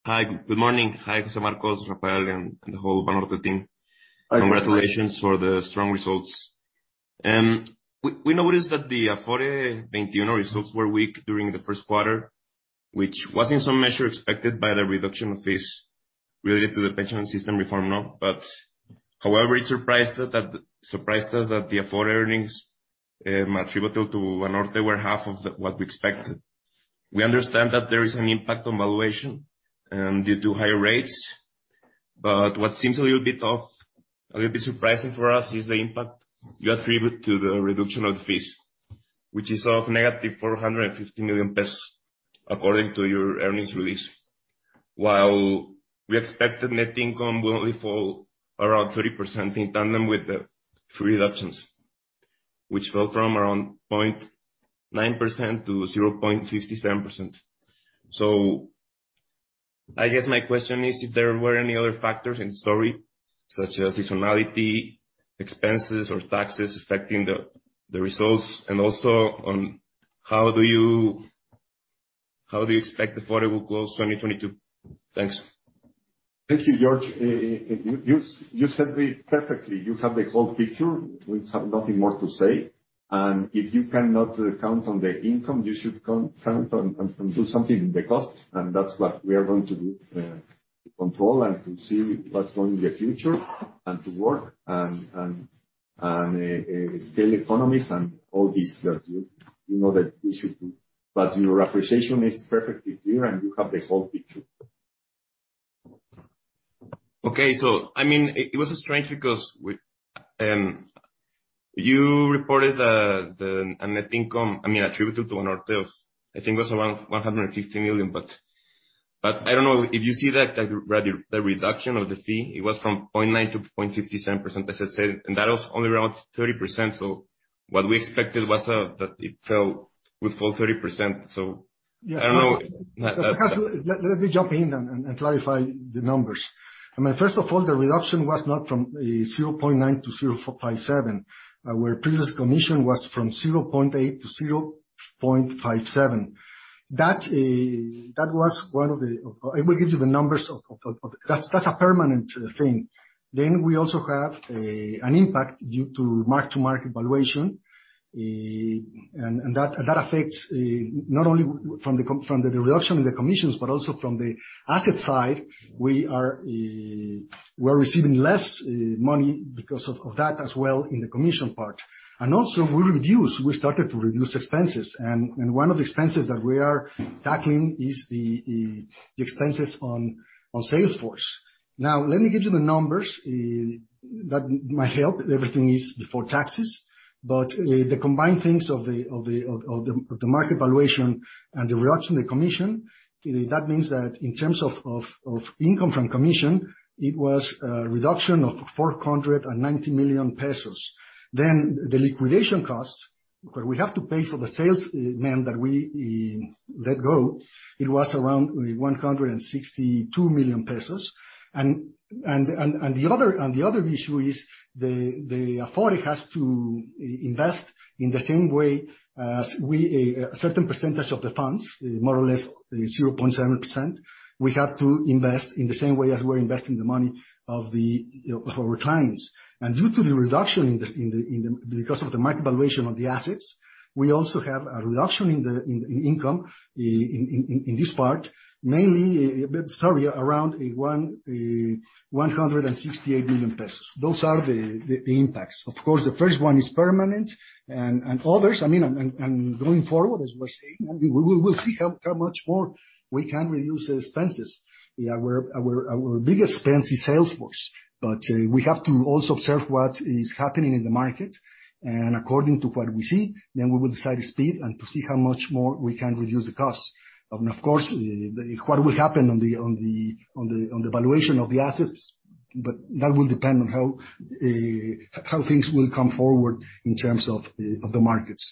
Hi, good morning. Hi, José Marcos, Rafael, and the whole Banorte team. Hi, Jorge. Congratulations for the strong results. We noticed that the Afore XXI Banorte results were weak during the first quarter, which was in some measure expected by the reduction of fees related to the pension system reform. However, it surprised us that the Afore XXI Banorte earnings attributable to Banorte were half of what we expected. We understand that there is an impact on valuation due to higher rates, but what seems a little bit surprising for us is the impact you attribute to the reduction of fees, which is negative 450 million pesos according to your earnings release. While we expect the net income will only fall around 30% in tandem with the fee reductions, which fell from around 0.9% to 0.57%. I guess my question is if there were any other factors in the story, such as seasonality, expenses, or taxes affecting the results, and also on how do you expect Afore will close 2022? Thanks. Thank you, Jorge. You said it perfectly. You have the whole picture. We have nothing more to say. If you cannot count on the income, you should count on doing something with the cost. That's what we are going to do, to control and to see what's going on in the future and to work and scale economies and all this that you know that we should do. Your appreciation is perfectly clear, and you have the whole picture. Okay. I mean, it was strange because you reported the net income, I mean, attributed to Banorte of, I think it was around 150 million, but I don't know if you see that, like, the reduction of the fee. It was from 0.9%-0.57%, as I said, and that was only around 30%. What we expected was that it would fall 30%, so Yes. I don't know. Perhaps let me jump in and clarify the numbers. I mean, first of all, the reduction was not from 0.9%-0.57%. The previous commission was from 0.8%-0.57%. That was one of the things. That's a permanent thing. We also have an impact due to mark-to-market valuation. And that affects not only from the reduction in the commissions but also from the asset side. We are receiving less money because of that as well in the commission part. We started to reduce expenses. One of the expenses that we are tackling is the expenses on sales force. Now, let me give you the numbers that might help. Everything is before taxes. The combined things of the market valuation and the reduction in the commission, that means that in terms of income from commission, it was a reduction of 490 million pesos. The liquidation costs we have to pay for the sales men that we let go. It was around 162 million pesos. The other issue is the authority has to invest in the same way as we. A certain percentage of the funds, more or less 0.7%, we have to invest in the same way as we're investing the money of our clients. Due to the reduction because of the market valuation of the assets, we also have a reduction in income in this part, mainly a bit sorry, around 168 million pesos. Those are the impacts. Of course, the first one is permanent and others, I mean, going forward, as we're saying, we'll see how much more we can reduce expenses. Our biggest expense is sales force. We have to also observe what is happening in the market, and according to what we see, then we will decide the speed and to see how much more we can reduce the costs. Of course, what will happen on the valuation of the assets. That will depend on how things will come forward in terms of the markets.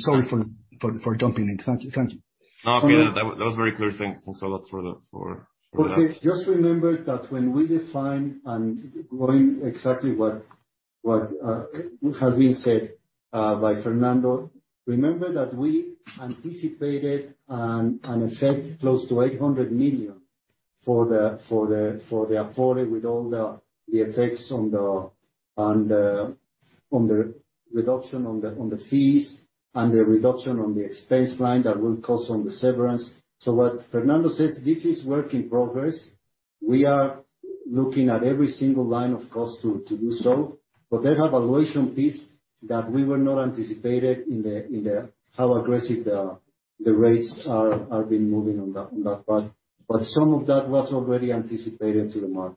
Sorry for jumping in. Thank you. No, that was very clear. Thanks a lot for the Just remember that when we define and go into exactly what has been said by Fernando, remember that we anticipated an effect close to 800 million for the Afore with all the effects of the reduction in the fees and the reduction in the expense line that will be the cost of the severance. What Fernando says, this is work in progress. We are looking at every single line of cost to do so. That valuation piece that we had not anticipated, in how aggressive the rates have been moving on that part, but some of that was already anticipated to the market.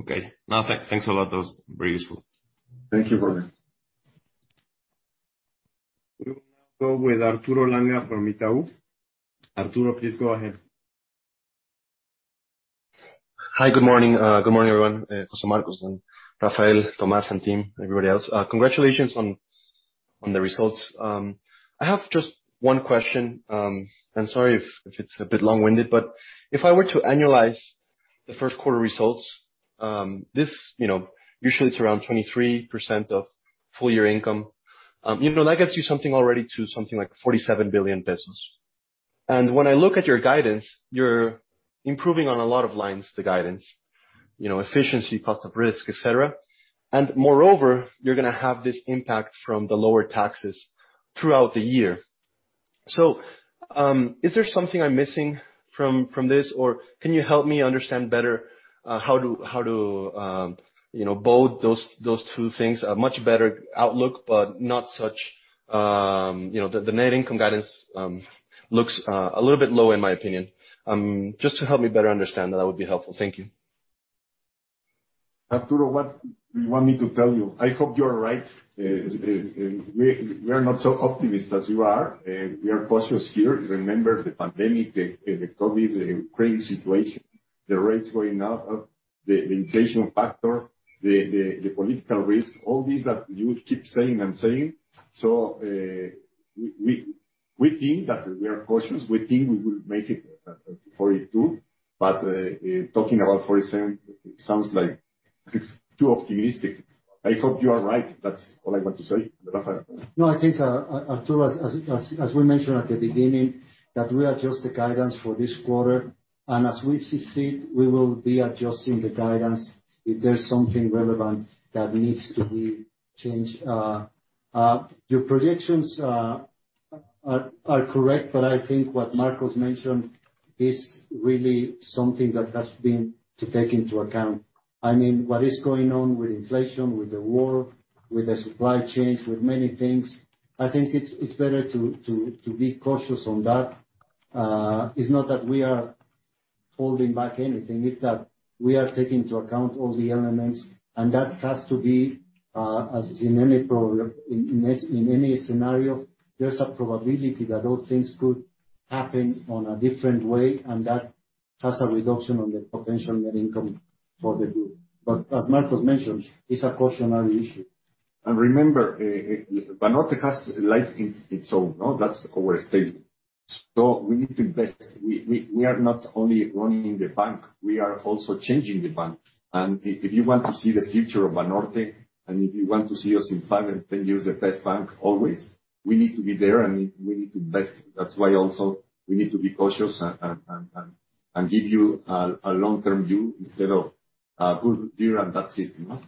Okay. No, thanks a lot. That was very useful. Thank you, Jorge. We will now go with Arturo Langa from Itaú BBA. Arturo, please go ahead. Hi. Good morning. Good morning, everyone. José Marcos and Rafael, Tomás and team, everybody else. Congratulations on the results. I have just one question, and sorry if it's a bit long-winded, but if I were to annualize the first quarter results, you know, usually it's around 23% of full year income. You know, that gets you something already to something like 47 billion pesos. When I look at your guidance, you're improving on a lot of lines, the guidance, you know, efficiency, cost of risk, etc. Moreover, you're gonna have this impact from the lower taxes throughout the year. Is there something I'm missing from this, or can you help me understand better, how to bridge those two things? A much better outlook, but not such, you know. The net income guidance looks a little bit low in my opinion. Just to help me better understand that would be helpful. Thank you. Arturo, what do you want me to tell you? I hope you're right. We are not so optimistic as you are. We are cautious here. Remember the pandemic, the COVID, the Ukraine situation, the rates going up, the inflation factor, the political risk, all these that you keep saying and saying. We think that we are cautious. We think we will make it 42, but talking about 47, it sounds like it's too optimistic. I hope you are right. That's all I want to say. Rafael? No, I think, Arturo, as we mentioned at the beginning, that we adjust the guidance for this quarter, and as we see fit, we will be adjusting the guidance if there's something relevant that needs to be changed. Your predictions are correct, but I think what Marcos mentioned is really something that has to be taken into account. I mean, what is going on with inflation, with the war, with the supply chains, with many things. I think it's better to be cautious on that. It's not that we are holding back anything, it's that we are taking into account all the elements, as in any scenario, there's a probability that all things could happen in a different way, and that has a reduction on the potential net income for the group. As Marcos mentioned, it's a cautionary issue. Remember, Banorte has life in its own, no? That's our statement. We need to invest. We are not only running the bank, we are also changing the bank. If you want to see the future of Banorte, and if you want to see us in five and ten years the best bank always, we need to be there and we need to invest. That's why also we need to be cautious and give you a long-term view instead of a good view and that's it, you know.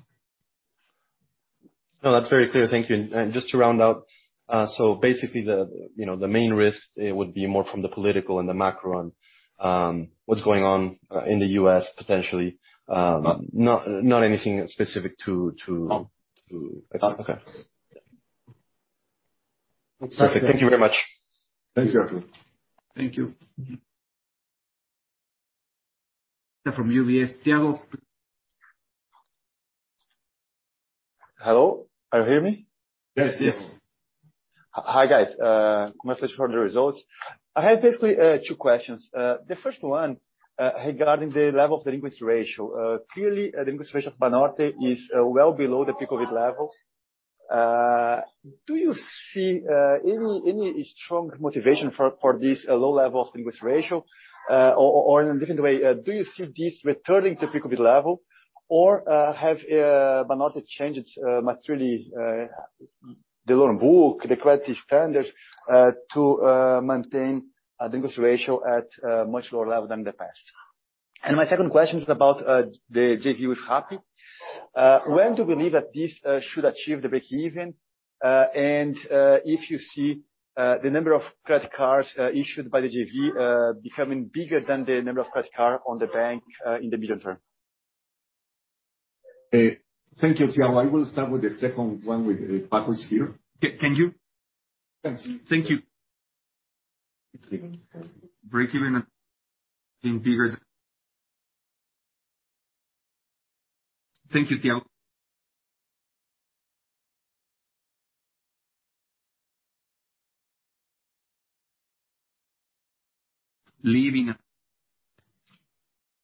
No, that's very clear. Thank you. Just to round out, so basically, you know, the main risk would be more from the political and the macro and what's going on in the U.S. potentially. No. Not anything specific to. No. Okay. Exactly. Perfect. Thank you very much. Thank you. Thank you. From UBS, Thiago. Hello. Can you hear me? Yes. Yes. Hi, guys. Regarding my first quarter results, I have basically two questions. The first one regarding the level of the delinquency ratio. Clearly the delinquency ratio of Banorte is well below the peak level. Do you see any strong motivation for this low level of delinquency ratio? Or in a different way, do you see this returning to peak level? Or have Banorte changed materially the loan book, the credit standards, to maintain a delinquency ratio at a much lower level than the past? My second question is about the JV with Rappi. When do we believe that this should achieve the break-even? If you see the number of credit cards issued by the JV becoming bigger than the number of credit card on the bank in the medium term. Thank you, Thiago. I will start with the second one with Rappi's here. Can you? Thanks. Thank you. Break-even and being bigger. Thank you, Thiago. Leveraging.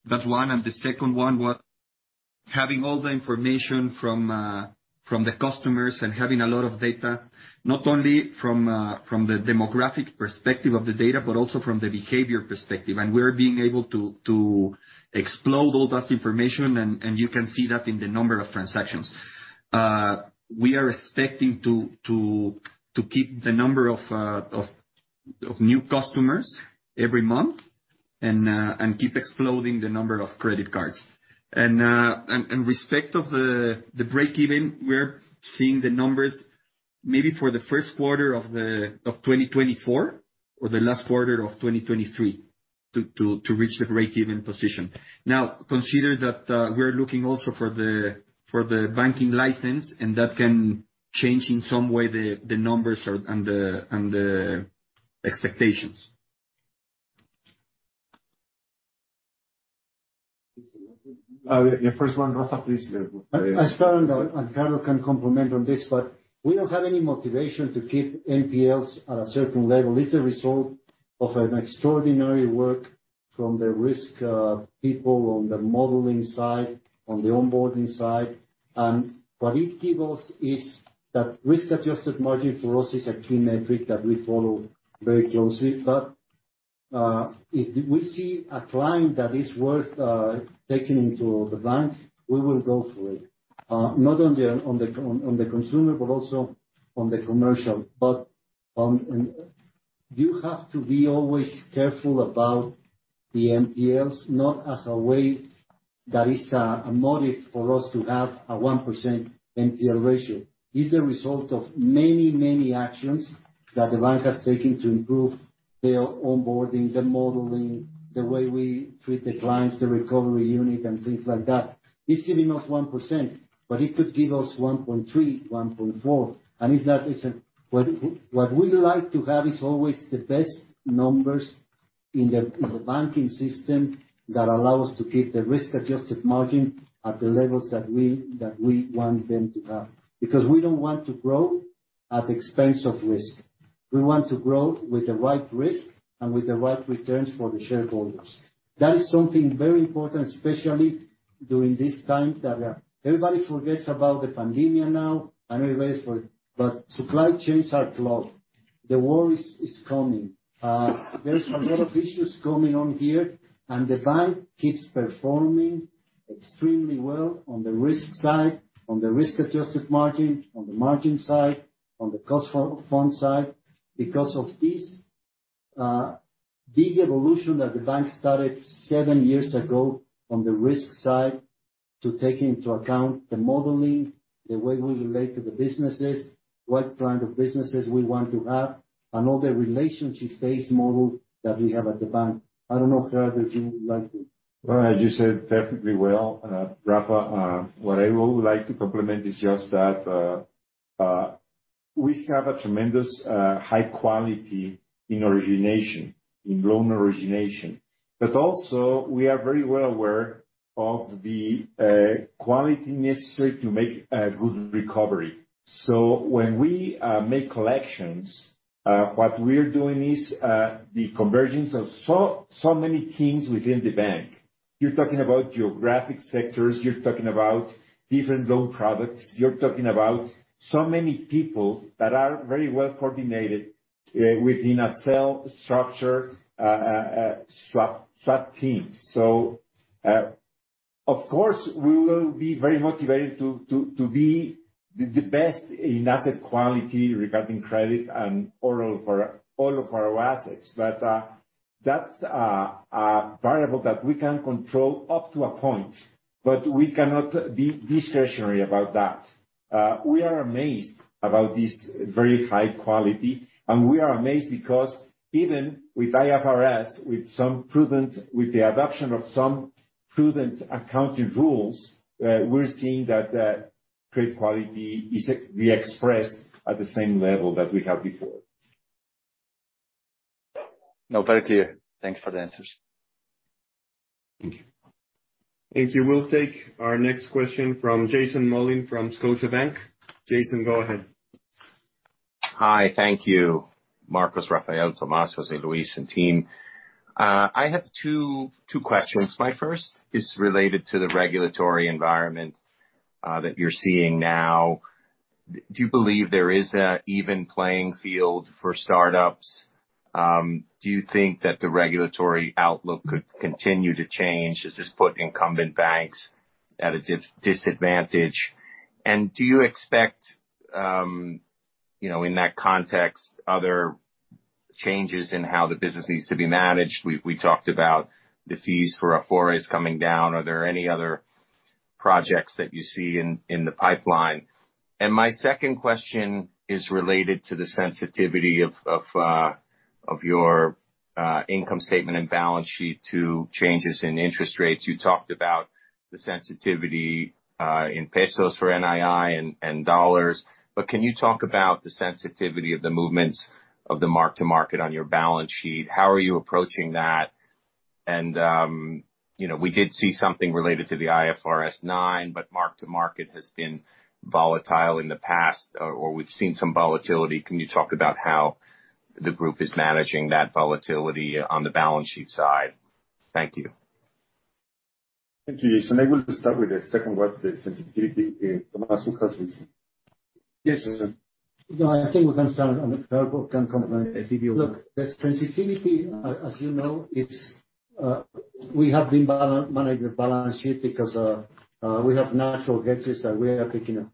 That's one. The second one: Having all the information from the customers and having a lot of data, not only from the demographic perspective of the data, but also from the behavior perspective. We're able to exploit all that information, and you can see that in the number of transactions. We are expecting to keep the number of new customers every month and keep expanding the number of credit cards. In respect of the break-even, we're seeing the numbers maybe for the first quarter of 2024 or the last quarter of 2023 to reach the break-even position. Now, consider that we're looking also for the banking license, and that can change in some way the numbers and the expectations. Yeah, first one, Rafa, please. I'll start, and Carlos can comment on this, but we don't have any motivation to keep NPLs at a certain level. It's a result of an extraordinary work from the risk people on the modeling side, on the onboarding side. What it gives us is that risk-adjusted margin for us is a key metric that we follow very closely. If we see a client that is worth taking into the bank, we will go for it. Not only on the consumer, but also on the commercial. You have to be always careful about the NPLs, not as a way that is a motive for us to have a 1% NPL ratio. It's a result of many, many actions that the bank has taken to improve their onboarding, the modeling, the way we treat the clients, the recovery unit, and things like that. It's giving us 1%, but it could give us 1.3%, 1.4%. What we like to have is always the best numbers in the banking system that allow us to keep the risk-adjusted margin at the levels that we want them to have. Because we don't want to grow at the expense of risk. We want to grow with the right risk and with the right returns for the shareholders. That is something very important, especially during this time that everybody forgets about the pandemic now. But supply chains are clogged. The war is coming. There's a lot of issues coming on here, and the bank keeps performing extremely well on the risk side, on the risk-adjusted margin, on the margin side, on the cost and funding side. Because of this big evolution that the bank started seven years ago on the risk side to take into account the modeling, the way we relate to the businesses, what kind of businesses we want to have, and all the relationship-based model that we have at the bank. I don't know, Carlos, if you would like to. Well, you said it perfectly well, Rafa. What I would like to complement is just that, we have a tremendous high quality in origination, in loan origination. We are very well aware of the quality necessary to make a good recovery. When we make collections, what we're doing is the convergence of so many teams within the bank. You're talking about geographic sectors, you're talking about different loan products. You're talking about so many people that are very well coordinated within a cell structure, structured teams. Of course, we will be very motivated to be the best in asset quality regarding credit and all of our assets. That's a variable that we can control up to a point, but we cannot be discretionary about that. We are amazed about this very high quality, and we are amazed because even with IFRS, with the adoption of some prudent accounting rules, we're seeing that credit quality is re-expressed at the same level that we had before. No, very clear. Thanks for the answers. Thank you. Thank you. We'll take our next question from Jason Mollin from Scotiabank. Jason, go ahead. Hi. Thank you, Marcos, Rafael, Tomás, José Luis, and team. I have two questions. My first is related to the regulatory environment that you're seeing now. Do you believe there is an even playing field for startups? Do you think that the regulatory outlook could continue to change? Does this put incumbent banks at a disadvantage? And do you expect, you know, in that context, other changes in how the business needs to be managed? We talked about the fees for Afores coming down. Are there any other projects that you see in the pipeline? And my second question is related to the sensitivity of your income statement and balance sheet to changes in interest rates. You talked about the sensitivity in pesos for NII and dollars, but can you talk about the sensitivity of the movements of the mark to market on your balance sheet? How are you approaching that? You know, we did see something related to the IFRS 9, but mark to market has been volatile in the past or we've seen some volatility. Can you talk about how the group is managing that volatility on the balance sheet side? Thank you. Thank you, Jason. I will start with the second one, the sensitivity. Tomas, who has this? Yes. No, I think we can start on the third one, can come later. Look, the sensitivity, as you know, we have been managing the balance sheet because we have natural hedges that we are taking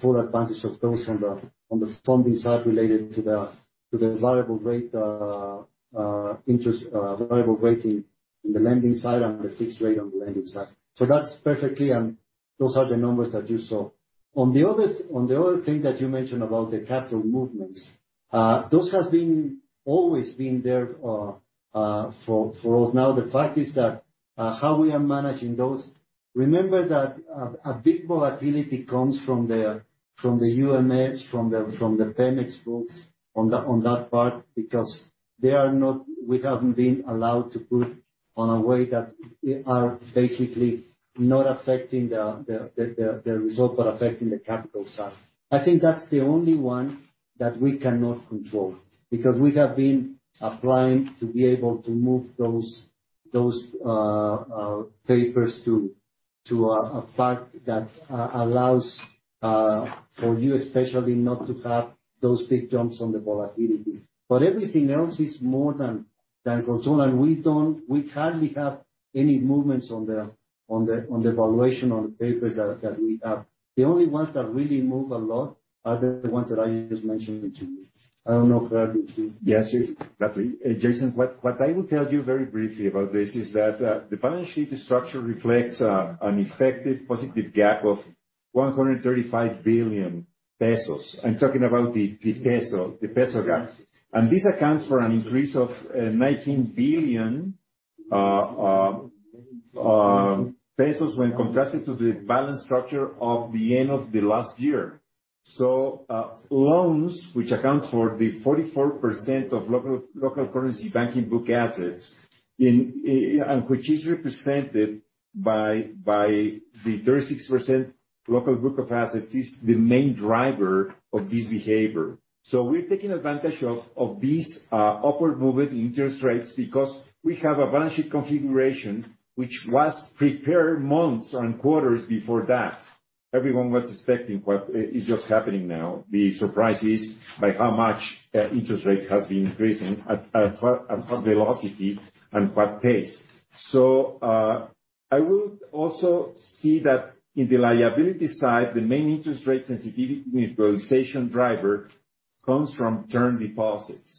full advantage of those on the funding side related to the variable rate on the funding side and the fixed rate on the lending side. That's perfect, and those are the numbers that you saw. On the other thing that you mentioned about the capital movements, those have always been there for us. Now, the fact is that how we are managing those. Remember that a big volatility comes from the UMS, from the Pemex books on that part, because we haven't been allowed to put in a way that is basically not affecting the result, but affecting the capital side. I think that's the only one that we cannot control, because we have been applying to be able to move those papers to a fact that allows for you especially not to have those big jumps on the volatility. Everything else is more than controlled. We hardly have any movements on the valuation on the papers that we have. The only ones that really move a lot are the ones that I just mentioned to you. I don't know if you want to. Yes, Jason, I will tell you very briefly about this is that the balance sheet structure reflects an effective positive gap of 135 billion pesos. I'm talking about the peso gap. This accounts for an increase of 19 billion when contrasted to the balance sheet structure of the end of the last year. Loans, which accounts for the 44% of local currency banking book assets and which is represented by the 36% local book of assets, is the main driver of this behavior. We're taking advantage of this upward movement in interest rates because we have a balance sheet configuration which was prepared months and quarters before that. Everyone was expecting what is just happening now. The surprise is by how much interest rate has been increasing, at what velocity and what pace. I would also see that in the liability side, the main interest rate sensitivity realization driver comes from term deposits.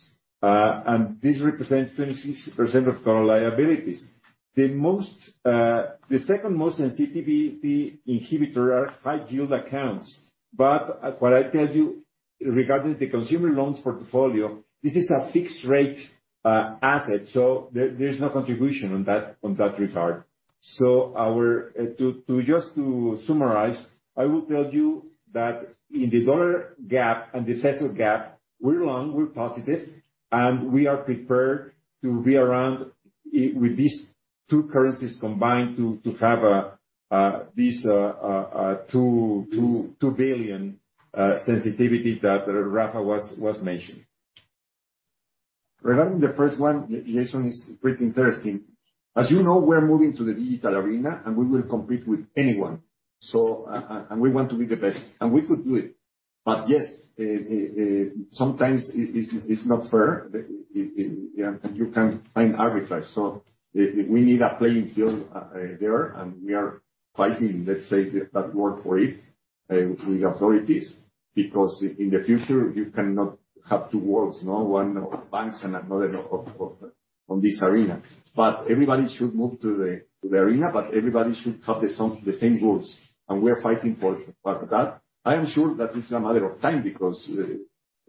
This represents 26% of total liabilities. The second most sensitivity inhibitor is high yield accounts. What I tell you regarding the consumer loans portfolio, this is a fixed rate asset, so there's no contribution on that regard. I will tell you that in the dollar gap and the peso gap, we're long, we're positive, and we are prepared to be around with these two currencies combined to have a 2 billion sensitivity that Rafa was mentioning. Regarding the first one, Jason, it is pretty interesting. As you know, we're moving to the digital arena, and we will compete with anyone. We want to be the best, and we could do it. Yes, sometimes it's not fair. You know, you can find arbitrage. We need a playing field there, and we are fighting, let's say, that word for it, with authorities. Because in the future, you cannot have two worlds, no? One of banks and another of this arena. Everybody should move to the arena, but everybody should have the same rules, and we're fighting for that. I am sure that it's a matter of time because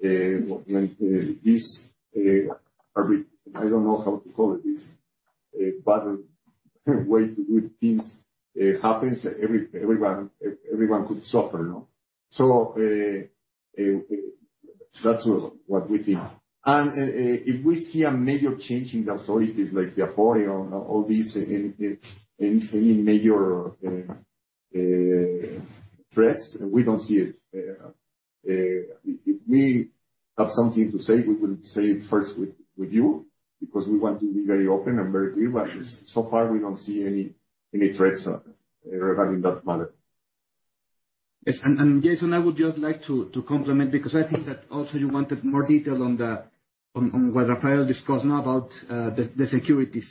this, I don't know how to call it, this. A better way to do things happens, everyone could suffer, you know? That's what we think. If we see a major change in the authorities like the Afore or all these in any major threats, and we don't see it, if we have something to say, we will say it first with you, because we want to be very open and very clear. So far, we don't see any threats regarding that matter. Yes, Jason, I would just like to complement, because I think that also you wanted more detail on what Rafael discussed now about the securities.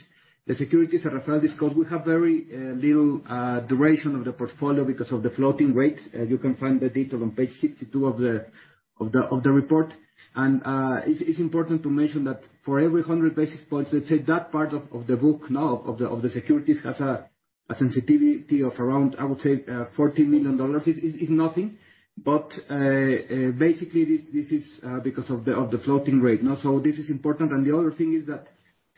The securities that Rafael discussed, we have very little duration of the portfolio because of the floating rates. You can find the detail on page 62 of the report. It's important to mention that for every 100 basis points, let's say that part of the book now of the securities has a sensitivity of around, I would say, $40 million. It's nothing. Basically, this is because of the floating rate, you know, so this is important. The other thing is that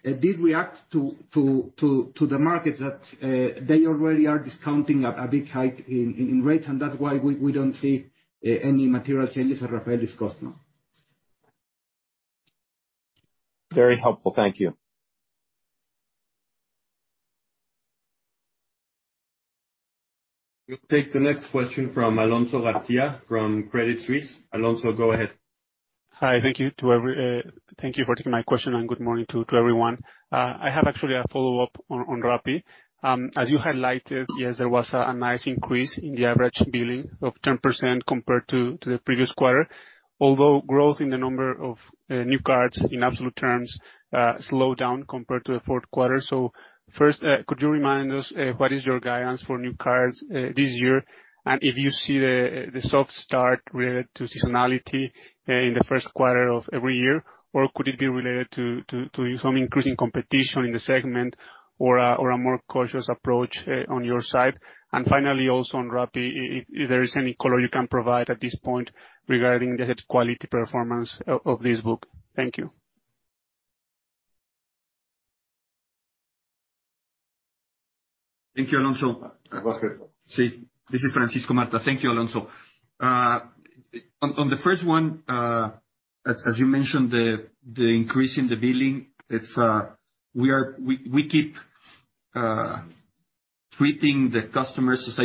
it did react to the markets that they already are discounting a big hike in rates, and that's why we don't see any material changes that Rafael discussed now. Very helpful. Thank you. We'll take the next question from Ricardo Alonso García from Credit Suisse. Ricardo, go ahead. Hi. Thank you for taking my question and good morning to everyone. I have actually a follow-up on Rappi. As you highlighted, yes, there was a nice increase in the average billing of 10% compared to the previous quarter, although growth in the number of new cards in absolute terms slowed down compared to the fourth quarter. First, could you remind us what is your guidance for new cards this year? If you see the soft start related to seasonality in the first quarter of every year, or could it be related to some increasing competition in the segment or a more cautious approach on your side? Finally, also on Rappi, if there is any color you can provide at this point regarding the credit quality performance of this book? Thank you. Thank you, Alonso. You're welcome. Yes. This is Francisco Martha. Thank you, Alonso. On the first one, as you mentioned, the increase in the billing, it's we keep treating the customers as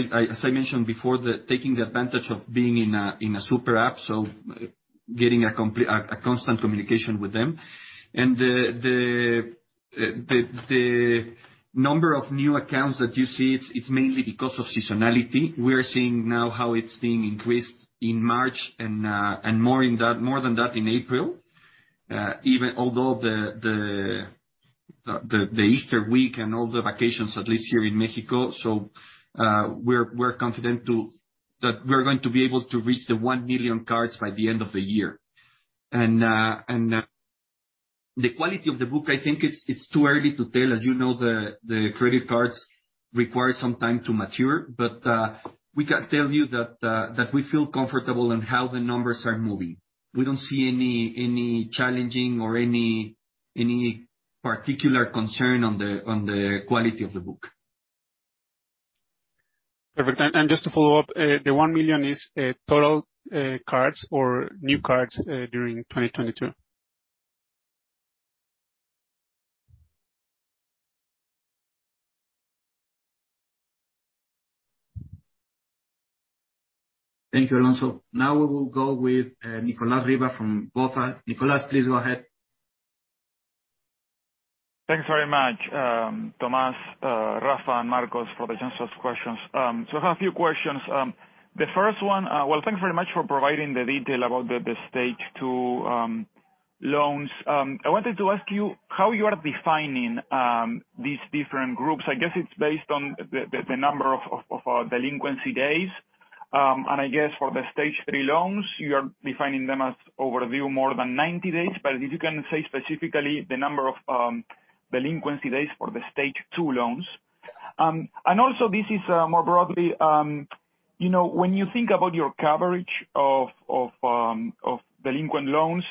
I mentioned before, by taking advantage of being in a super app, so getting a constant communication with them. The number of new accounts that you see, it's mainly because of seasonality. We are seeing now how it's being increased in March and more than that in April, even although the Easter week and all the vacations, at least here in Mexico. We're confident that we're going to be able to reach the 1 million cards by the end of the year. The quality of the book, I think it's too early to tell. As you know, the credit cards require some time to mature. We can tell you that we feel comfortable in how the numbers are moving. We don't see any challenging or any particular concern on the quality of the book. Perfect. Just to follow up, the 1 million is total cards or new cards during 2022? Thank you, Alonso. Now we will go with Nicolas Riva from BofA. Nicolas, please go ahead. Thanks very much, Tomás, Rafa, and Marcos, for the chance to ask questions. I have a few questions. The first one, well, thanks very much for providing the detail about the stage two loans. I wanted to ask you how you are defining these different groups. I guess it's based on the number of delinquency days. I guess for the stage three loans, you are defining them as overdue more than 90 days. If you can say specifically the number of delinquency days for the stage two loans. This is also, more broadly, you know, when you think about your coverage of delinquent loans,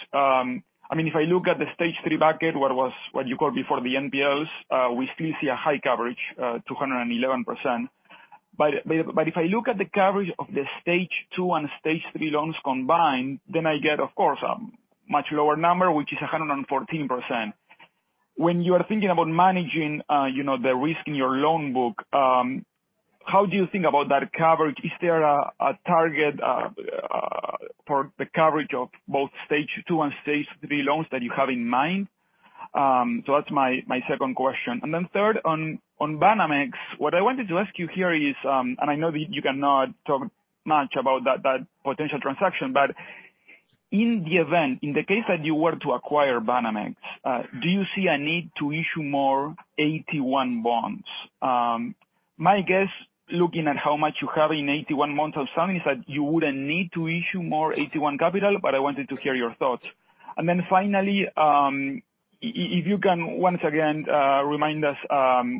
I mean, if I look at the stage three bucket, what you called before the NPLs, we still see a high coverage, 211%. But if I look at the coverage of the stage two and stage three loans combined, then I get, of course, a much lower number, which is 114%. When you are thinking about managing, you know, the risk in your loan book, how do you think about that coverage? Is there a target for the coverage of both stage two and stage three loans that you have in mind? That's my second question. Third, on Banamex, what I wanted to ask you here is, and I know that you cannot talk much about that potential transaction, but in the event, in the case that you were to acquire Banamex, do you see a need to issue more AT1 bonds? My guess, looking at how much you have in AT1 bonds outstanding, is that you wouldn't need to issue more AT1 capital, but I wanted to hear your thoughts. Finally, if you can once again remind us,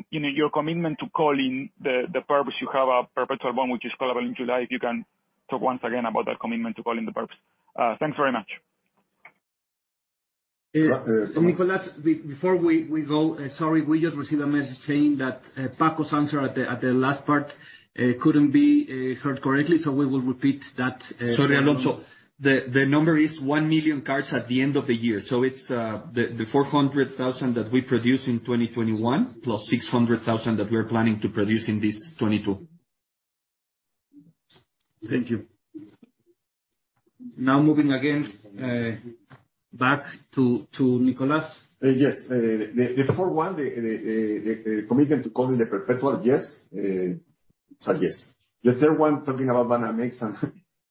you know, your commitment to calling the PERPs you have, a perpetual bond which is callable in July, if you can talk once again about that commitment to calling the PERPs. Thanks very much. Nicolas, before we go, sorry, we just received a message saying that Paco's answer at the last part couldn't be heard correctly, so we will repeat that. Sorry, Alonso. The number is 1 million cards at the end of the year. It's the 400,000 that we produced in 2021, plus 600,000 that we are planning to produce in 2022. Thank you. Now moving again, back to Nicolas. Yes. The 41, the commitment to call it a perpetual, yes. It's a yes. The third one, talking about Banamex and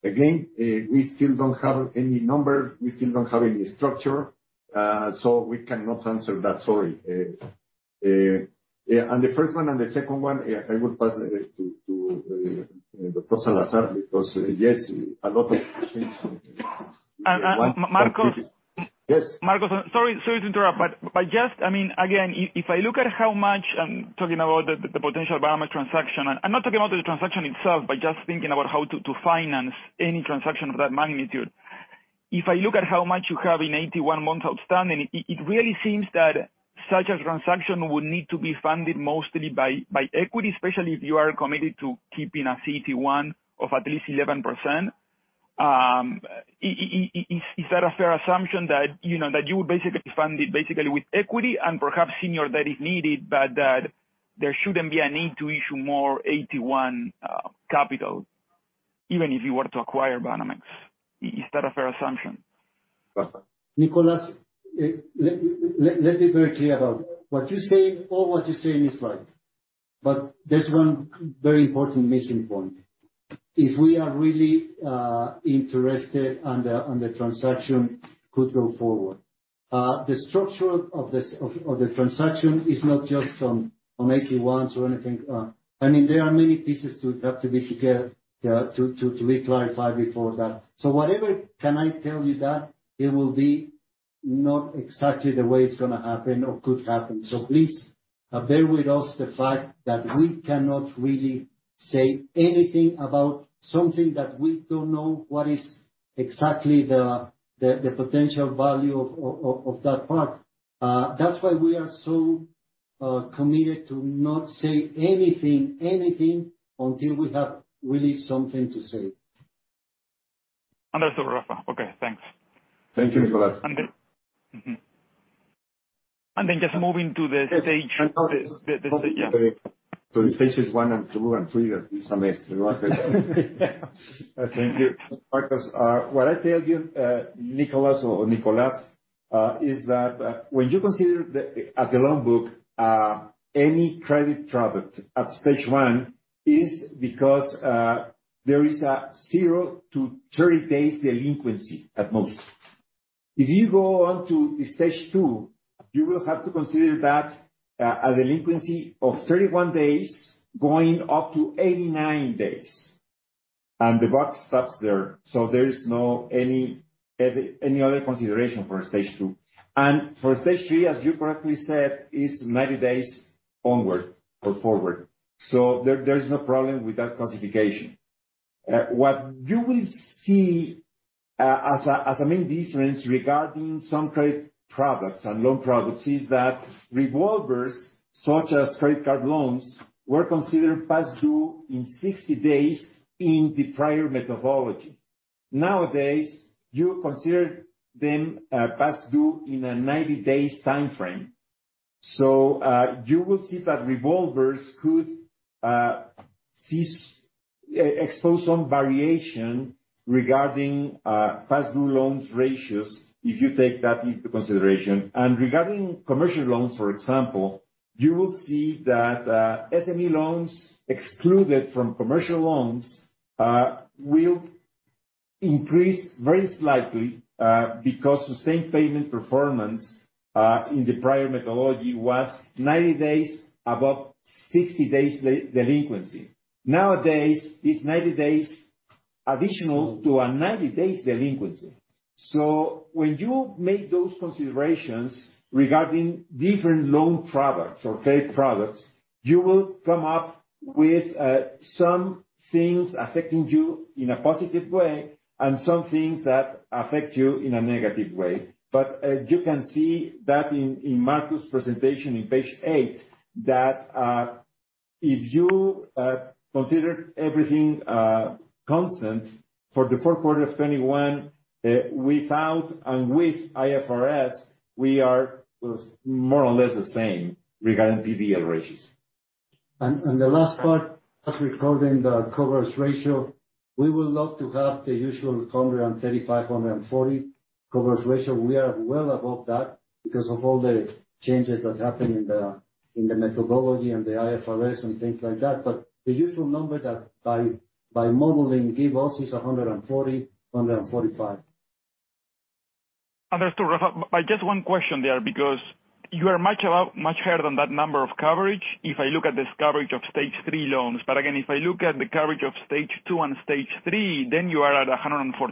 again, we still don't have any number. We still don't have any structure, so we cannot answer that. Sorry. The first one and the second one, I will pass it to Gerardo Salazar, because yes, a lot of things. Marcos- Yes. Marcos, sorry to interrupt, but just—I mean, again, if I look at how much, I'm talking about the potential Banamex transaction, and I'm not talking about the transaction itself, but just thinking about how to finance any transaction of that magnitude. If I look at how much you have in AT1 bonds outstanding, it really seems that such a transaction would need to be funded mostly by equity, especially if you are committed to keeping a CET1 of at least 11%. Is that a fair assumption that you would basically fund it with equity and perhaps senior debt if needed, but that there shouldn't be a need to issue more AT1 capital, even if you were to acquire Banamex? Is that a fair assumption? Rafa. Nicolas, let me be very clear about what you're saying. What you're saying is right, but there's one very important missing point. If we are really interested and the transaction could go forward, the structure of this transaction is not just on AT1s or anything. I mean, there are many pieces that have to be together to be clarified before that. Whatever I can tell you that it will be not exactly the way it's gonna happen or could happen. Please, bear with us the fact that we cannot really say anything about something that we don't know what is exactly the potential value of that part. That's why we are so committed to not say anything until we have really something to say. Understood, Rafa. Okay, thanks. Thank you, Nicolas. Just moving to the stage. Yes. Yeah. Stages 1, 2, and 3 are dismissed. Thank you. Marcos, what I tell you, Nicolas, is that when you consider the loan book, any credit product at stage one is because there is a 0-30 days delinquency at most. If you go on to the stage two, you will have to consider that a delinquency of 31-89 days. The buck stops there, so there is no other consideration for stage two. For stage three, as you correctly said, is 90 days onward or forward. There is no problem with that classification. What you will see as a main difference regarding some credit products and loan products is that revolvers, such as credit card loans, were considered past due in 60 days in the prior methodology. Nowadays, you consider them past due in a 90 days timeframe. You will see that revolvers could expose some variation regarding past due loans ratios if you take that into consideration. Regarding commercial loans, for example, you will see that SME loans excluded from commercial loans will increase very slightly because the same payment performance in the prior methodology was 90 days above 60 days delinquency. Nowadays, it's 90 days additional to a 90 days delinquency. When you make those considerations regarding different loan products or paid products, you will come up with some things affecting you in a positive way and some things that affect you in a negative way. You can see that in Marcos' presentation on page 8, that if you consider everything constant for the fourth quarter of 2021, without and with IFRS, we are more or less the same regarding PDL ratios. The last part, as regarding the coverage ratio, we would love to have the usual 135, 140 coverage ratio. We are well above that because of all the changes that happened in the methodology and the IFRS and things like that. The usual number that by modeling give us is 140, 145. Understood, Rafa. Just one question there, because you are much higher than that number of coverage if I look at this coverage of stage three loans. Again, if I look at the coverage of stage two and stage three, then you are at 114%.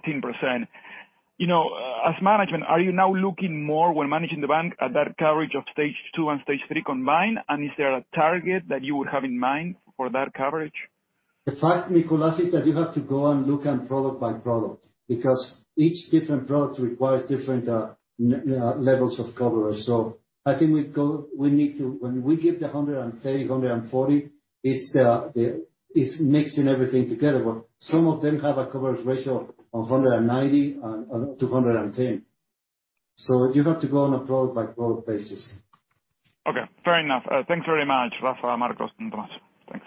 You know, as management, are you now looking more when managing the bank at that coverage of stage two and stage three combined? And is there a target that you would have in mind for that coverage? The fact, Nicolas, is that you have to go and look at product by product, because each different product requires different levels of coverage. I think we need to. When we give the 130-140, it's mixing everything together. Some of them have a coverage ratio of 190-210. You have to go on a product by product basis. Okay, fair enough. Thanks very much, Rafael, Marcos and Tomás. Thanks.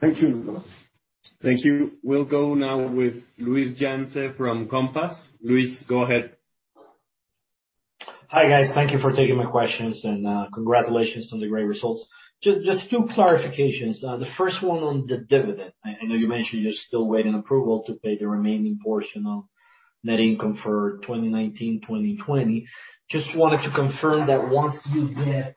Thank you, Nicolas. Thank you. We'll go now with Luis Yance from Compass. Luis, go ahead. Hi, guys. Thank you for taking my questions and congratulations on the great results. Just two clarifications. The first one on the dividend. I know you mentioned you're still waiting approval to pay the remaining portion of net income for 2019, 2020. Just wanted to confirm that once you get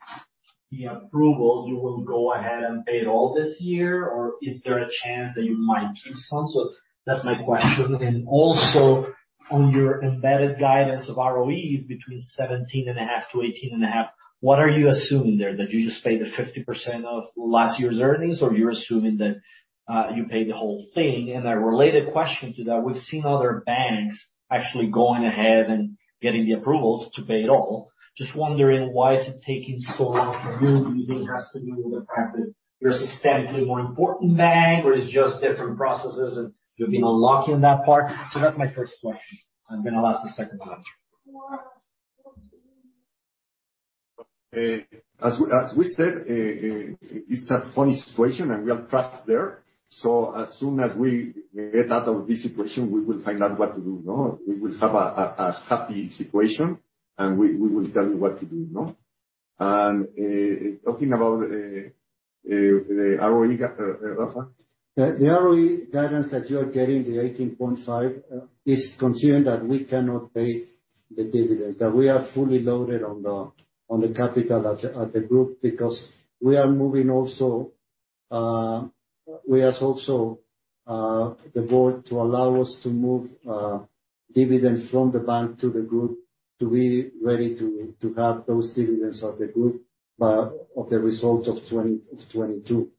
the approval, you will go ahead and pay it all this year or is there a chance that you might keep some? So that's my question. Also, on your embedded guidance of ROEs between 17.5%-18.5%, what are you assuming there? That you just pay the 50% of last year's earnings, or you're assuming that you pay the whole thing? A related question to that, we've seen other banks actually going ahead and getting the approvals to pay it all. Just wondering, why is it taking so long for you? Do you think it has to do with the fact that you're a systemically more important bank, or it's just different processes and you've been unlucky on that part? That's my first question. I'm gonna ask the second one. As we said, it's a funny situation and we are trapped there. As soon as we get out of this situation, we will find out what to do, no? We will have a happy situation and we will tell you what to do, no? Talking about the ROE, Rafael? The ROE guidance that you are getting, the 18.5%, is considering that we cannot pay the dividends, that we are fully loaded on the capital at the group. Because we are moving also, we ask also the board to allow us to move dividends from the bank to the group to be ready to have those dividends of the group by the results of 2022.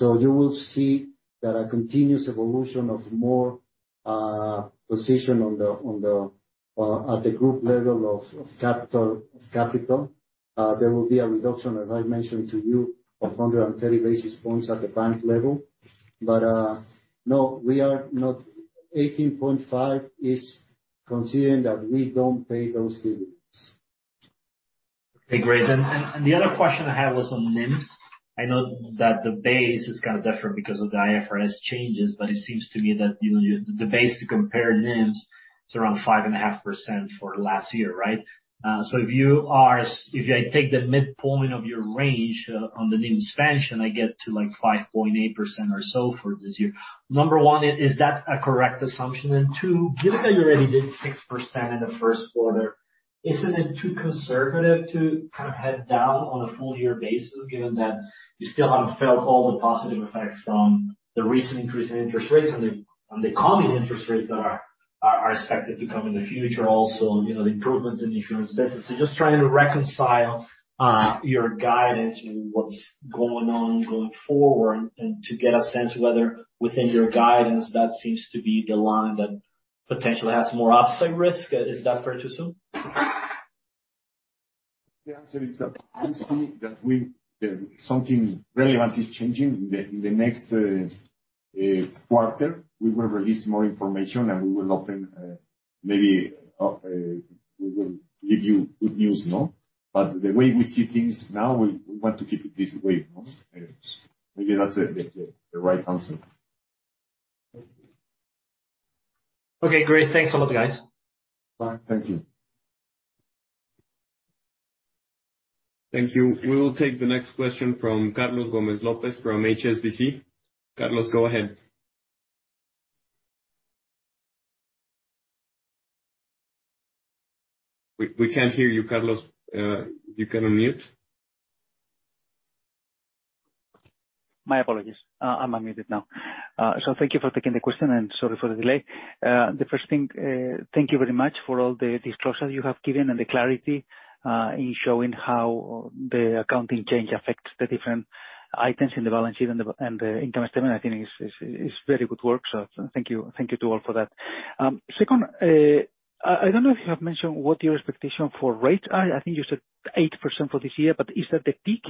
You will see that a continuous evolution of more position on the at the group level of capital. There will be a reduction, as I mentioned to you, of 130 basis points at the bank level. No, we are not. 18.5% is considering that we don't pay those dividends. Okay, great. The other question I had was on NIMs. I know that the base is kind of different because of the IFRS changes, but it seems to me that, you know, the base to compare NIMs is around 5.5% for last year, right? If I take the midpoint of your range on the NIM expansion, I get to, like, 5.8% or so for this year. Number one, is that a correct assumption? Two, given that you already did 6% in the first quarter, isn't it too conservative to kind of head down on a full year basis, given that you still haven't felt all the positive effects from the recent increase in interest rates and the coming interest rates that are expected to come in the future also, you know, the improvements in the insurance business? Just trying to reconcile your guidance with what's going on going forward and to get a sense of whether within your guidance, that seems to be the line that potentially has more upside risk. Is that fair to assume? The answer is that I'm saying that something relevant is changing. In the next quarter, we will release more information and we will open, maybe, we will give you good news, no? The way we see things now, we want to keep it this way, no? Maybe that's the right answer. Okay, great. Thanks a lot, guys. Bye. Thank you. Thank you. We will take the next question from Carlos Gomez-Lopez from HSBC. Carlos, go ahead. We can't hear you, Carlos. You can unmute. My apologies. I'm unmuted now. Thank you for taking the question, and sorry for the delay. The first thing, thank you very much for all the disclosure you have given and the clarity in showing how the accounting change affects the different items in the balance sheet and the income statement. I think it's very good work, so thank you to all for that. Second, I don't know if you have mentioned what your expectation for rates are. I think you said 8% for this year, but is that the peak,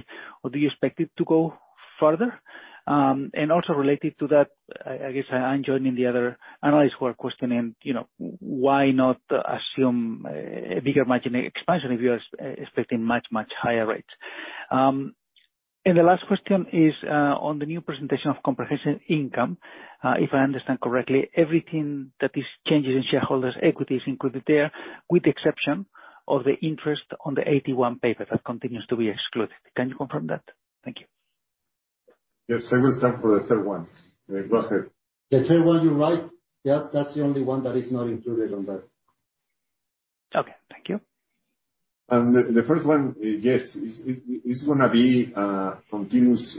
or do you expect it to go further? And also related to that, I guess I'm joining the other analysts who are questioning, you know, why not assume a bigger margin expansion if you are expecting much higher rates? The last question is on the new presentation of comprehensive income. If I understand correctly, everything that is changing in shareholders' equity is included there, with the exception of the interest on the AT1 paper that continues to be excluded. Can you confirm that? Thank you. Yes. I will start for the third one. Go ahead. The third one, you're right. Yeah, that's the only one that is not included on that. Okay, thank you. The first one, yes, it's gonna be continuous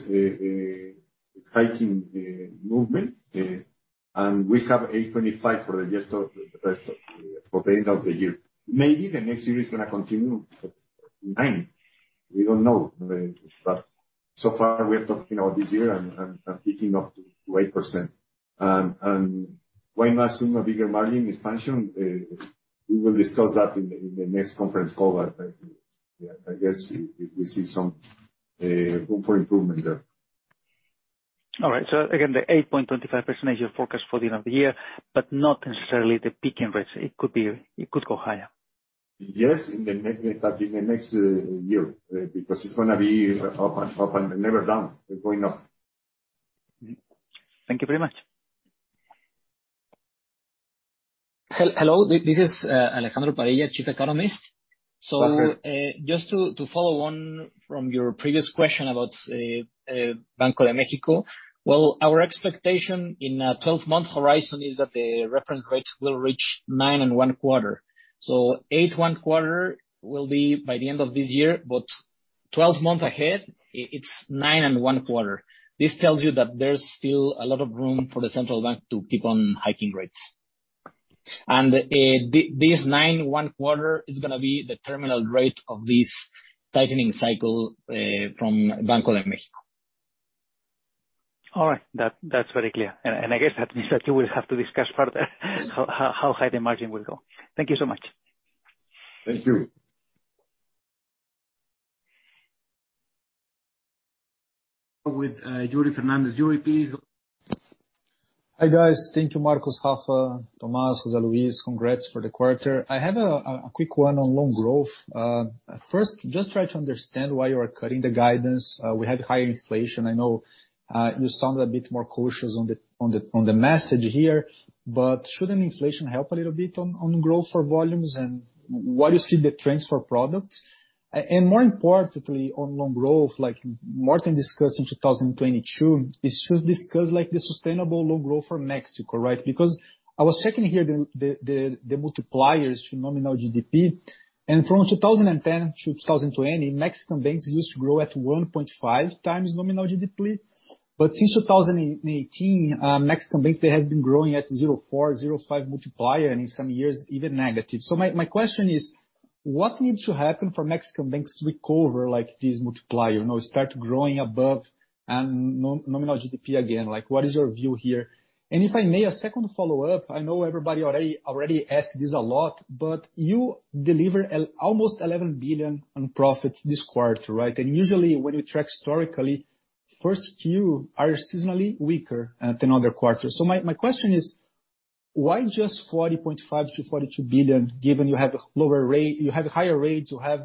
hiking movement. We have 8.5 for the end of the year. Maybe the next year is gonna continue 9. We don't know. So far, we are talking about this year and picking up to 8%. Why not assume a bigger margin expansion? We will discuss that in the next conference call. I guess if we see some room for improvement there. All right. Again, the 8.25% is your forecast for the end of the year, but not necessarily the peaking rates. It could go higher. Yes, but in the next year, because it's gonna be up and up and never down. We're going up. Mm-hmm. Thank you very much. Hello, this is Alejandro Padilla, Chief Economist. Okay. Just to follow on from your previous question about Banco de México. Well, our expectation in a 12-month horizon is that the reference rates will reach 9.25%. Eight and one quarter will be by the end of this year, but 12 months ahead, it's 9.25%. This tells you that there's still a lot of room for the central bank to keep on hiking rates. This 9.25% is gonna be the terminal rate of this tightening cycle from Banco de México. All right. That's very clear. I guess that means that you will have to discuss further how high the margin will go. Thank you so much. Thank you. With Yuri Fernandes. Yuri, please go- Hi, guys. Thank you, Marcos, Rafa, Tomás, José Luis. Congrats for the quarter. I have a quick one on loan growth. First, just try to understand why you are cutting the guidance. We had high inflation. I know you sound a bit more cautious on the message here, but shouldn't inflation help a little bit on growth for volumes? And what do you see the trends for products? And more importantly, on loan growth, like Marcos discussed in 2022, this should discuss like the sustainable loan growth for Mexico, right? Because I was checking here the multipliers to nominal GDP, and from 2010 to 2020, Mexican banks used to grow at 1.5 times nominal GDP. Since 2018, Mexican banks they have been growing at 0.4, 0.5 multiplier, and in some years, even negative. My question is, what needs to happen for Mexican banks to recover like this multiplier? You know, start growing above nominal GDP again. Like, what is your view here? If I may, a second follow-up. I know everybody already asked this a lot, but you delivered almost 11 billion in profits this quarter, right? And usually, when you track historically, Q1s are seasonally weaker than other quarters. My question is why just 40.5 billion-42 billion, given you have lower rate, you have higher rates, you have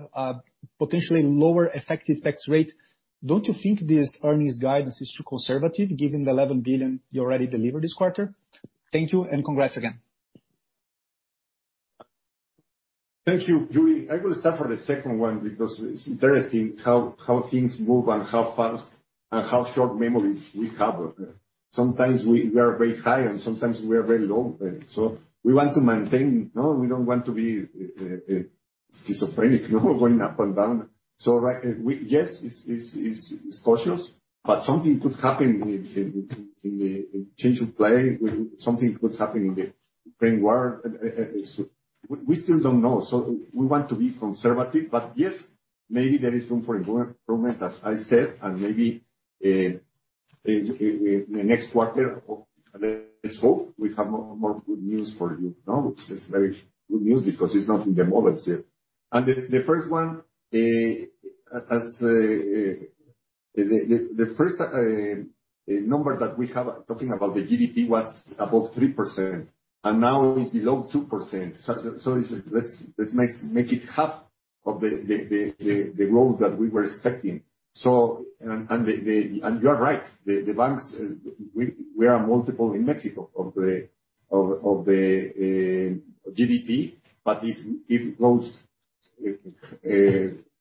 potentially lower effective tax rate? Don't you think this earnings guidance is too conservative given the 11 billion you already delivered this quarter? Thank you, and congrats again. Thank you, Yuri. I will start for the second one because it's interesting how things move and how fast and how short memories we have. Sometimes we are very high, and sometimes we are very low. We want to maintain, you know, we don't want to be schizophrenic, you know, going up and down. Yes, it's cautious, but something could happen in a change of play. Something could happen in the background. We still don't know. We want to be conservative. Yes, maybe there is room for improvement, as I said, and maybe in the next quarter, let's hope we have more good news for you. You know, it's very good news because it's not in the models. The first number that we have talking about the GDP was above 3%, and now it's below 2%. It's let's make it half of the growth that we were expecting. You are right. The banks, we are multiple in Mexico of the GDP. But if it goes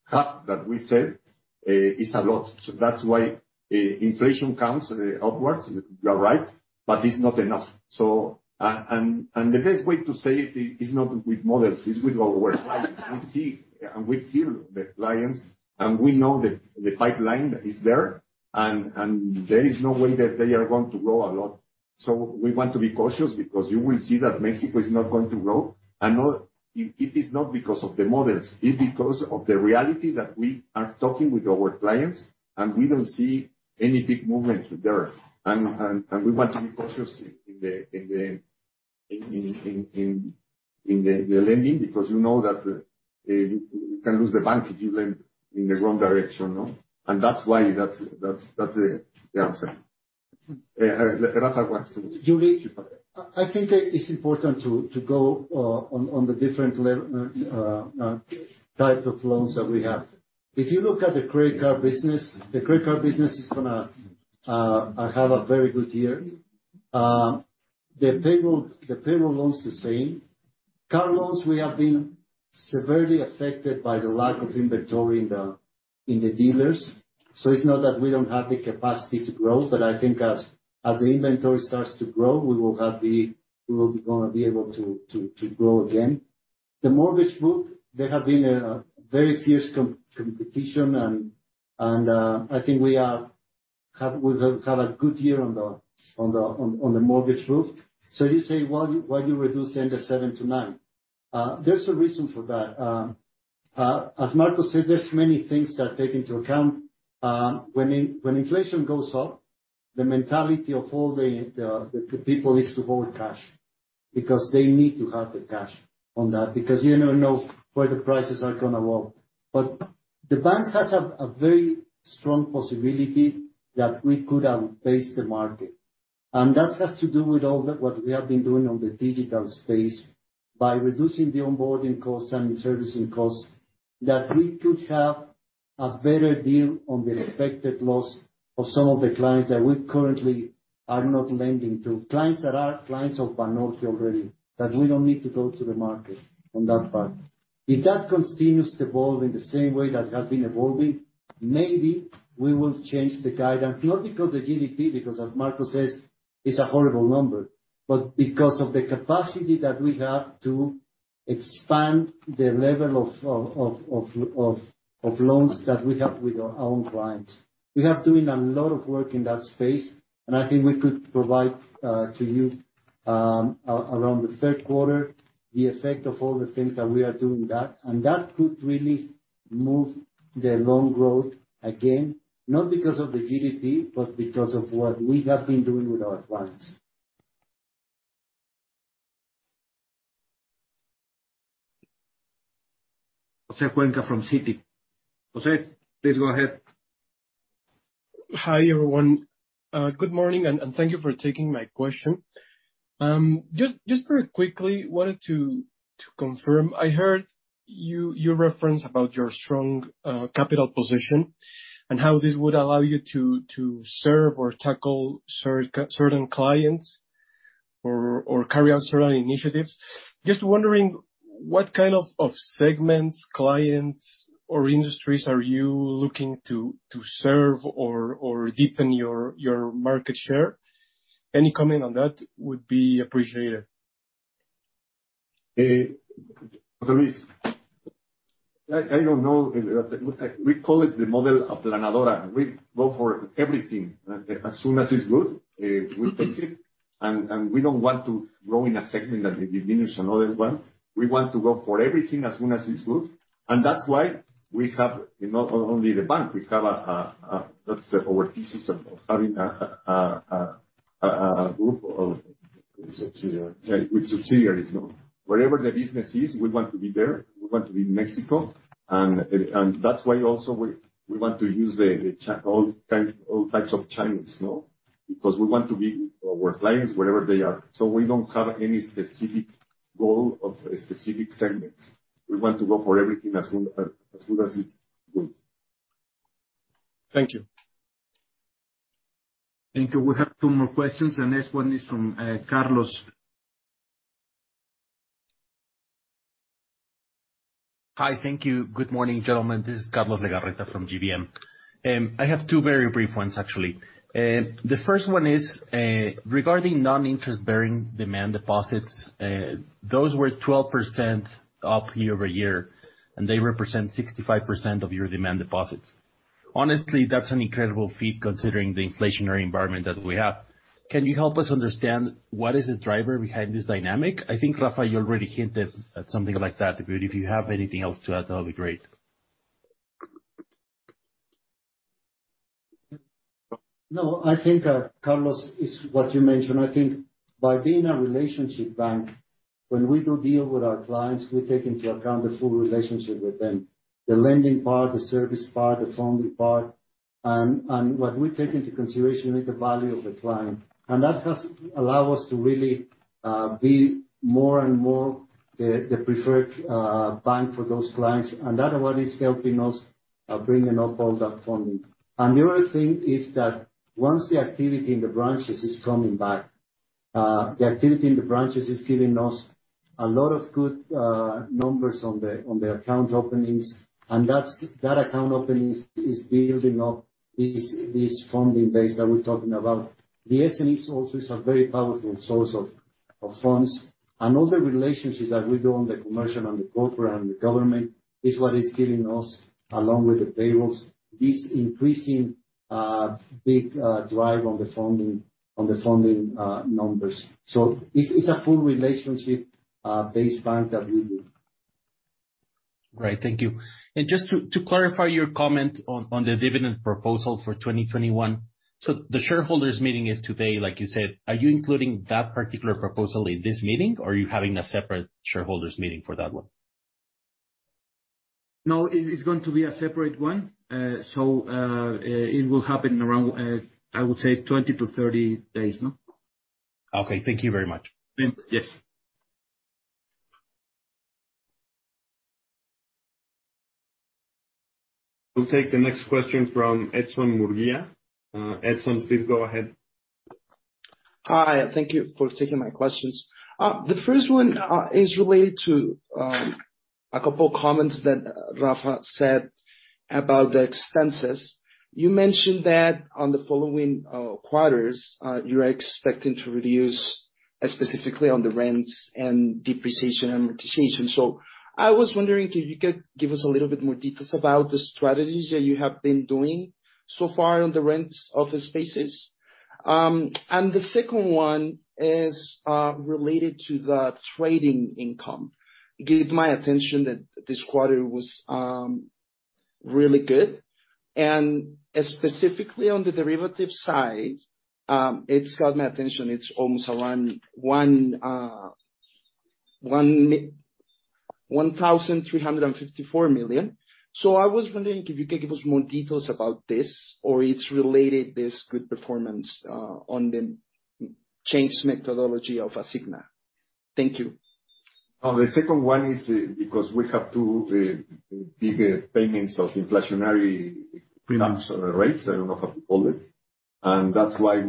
half that we said, it's a lot. That's why inflation comes upwards, you are right, but it's not enough. The best way to say it is not with models, it's with our work. We see and we hear the clients, and we know the pipeline that is there, and there is no way that they are going to grow a lot. We want to be cautious because you will see that Mexico is not going to grow. No, it is not because of the models, it's because of the reality that we are talking with our clients, and we don't see any big movement there. We want to be cautious in the lending, because you know that you can lose the bank if you lend in the wrong direction, no? That's why that's the answer. Yuri, I think it's important to go on the different types of loans that we have. If you look at the credit card business, the credit card business is gonna have a very good year. The payroll loan's the same. Car loans, we have been severely affected by the lack of inventory in the dealers. It's not that we don't have the capacity to grow, but I think as the inventory starts to grow, we will be gonna be able to grow again. The mortgage book, there have been a very fierce competition and I think we have had a good year on the mortgage book. You say, well, why you reduce NIM 7-9? There's a reason for that. As Marco said, there's many things that take into account when inflation goes up, the mentality of all the people is to hold cash because they need to have the cash on hand because you never know where the prices are gonna go. But the bank has a very strong possibility that we could outpace the market. That has to do with all the. What we have been doing on the digital space by reducing the onboarding costs and the servicing costs, that we could have a better deal on the expected loss of some of the clients that we currently are not lending to, clients that are clients of Banorte already, that we don't need to go to the market on that part. If that continues to evolve in the same way that has been evolving, maybe we will change the guidance, not because of GDP, because as Marco says, it's a horrible number, but because of the capacity that we have to expand the level of loans that we have with our own clients. We have been doing a lot of work in that space, and I think we could provide to you around the third quarter the effect of all the things that we are doing. That could really move the loan growth, again, not because of the GDP, but because of what we have been doing with our clients. José Cuenca from Citi. José, please go ahead. Hi, everyone. Good morning, and thank you for taking my question. Just very quickly, wanted to confirm. I heard you reference about your strong capital position and how this would allow you to serve or tackle certain clients or carry out certain initiatives. Just wondering what kind of segments, clients, or industries are you looking to serve or deepen your market share? Any comment on that would be appreciated. Luis.I don't know. We call it the model of la nadadora. We go for everything. As soon as it's good, we take it. We don't want to grow in a segment that it diminishes another one. We want to go for everything as soon as it's good. That's why we have not only the bank. That's our thesis of having a group of subsidiaries with subsidiaries, no? Wherever the business is, we want to be there. We want to be in Mexico. That's why also we want to use all types of channels, no? Because we want to be with our clients wherever they are. We don't have any specific goal of a specific segment. We want to go for everything as good as it's good. Thank you. Thank you. We have two more questions. The next one is from Carlos. Hi. Thank you. Good morning, gentlemen. This is Carlos Legarreta from GBM. I have two very brief ones, actually. The first one is regarding non-interest-bearing demand deposits. Those were 12% up year-over-year, and they represent 65% of your demand deposits. Honestly, that's an incredible feat considering the inflationary environment that we have. Can you help us understand what is the driver behind this dynamic? I think, Rafael, you already hinted at something like that, but if you have anything else to add, that would be great. No, I think, Carlos, it's what you mentioned. I think by being a relationship bank, when we do deal with our clients, we take into account the full relationship with them, the lending part, the service part, the funding part. What we take into consideration is the value of the client. That has allow us to really be more and more the preferred bank for those clients. That one is helping us bringing up all that funding. The other thing is that once the activity in the branches is coming back, the activity in the branches is giving us a lot of good numbers on the account openings, and that's account openings is building up this funding base that we're talking about. The SME source is a very powerful source of funds. All the relationships that we do on the commercial and the corporate and the government is what is giving us, along with the payrolls, this increasing, big, drive on the funding numbers. It's a full relationship based bank that we do. Great. Thank you. Just to clarify your comment on the dividend proposal for 2021. The shareholders' meeting is today, like you said. Are you including that particular proposal in this meeting, or are you having a separate shareholders' meeting for that one? No, it is going to be a separate one. It will happen around, I would say 20-30 days, no? Okay. Thank you very much. Yes. We'll take the next question from Edson Murguia. Edson, please go ahead. Hi, thank you for taking my questions. The first one is related to a couple comments that Rafa said about the expenses. You mentioned that on the following quarters, you're expecting to reduce specifically on the rents and depreciation amortization. I was wondering if you could give us a little bit more details about the strategies that you have been doing so far on the rents of the spaces. The second one is related to the trading income. It gave my attention that this quarter was really good. And specifically on the derivative side, it's got my attention. It's almost around 1,354 million. I was wondering if you could give us more details about this, or it's related this good performance on the change methodology of Asigna. Thank you. On the second one is because we have two bigger payments of inflationary premiums or rates, I don't know how to call it. That's why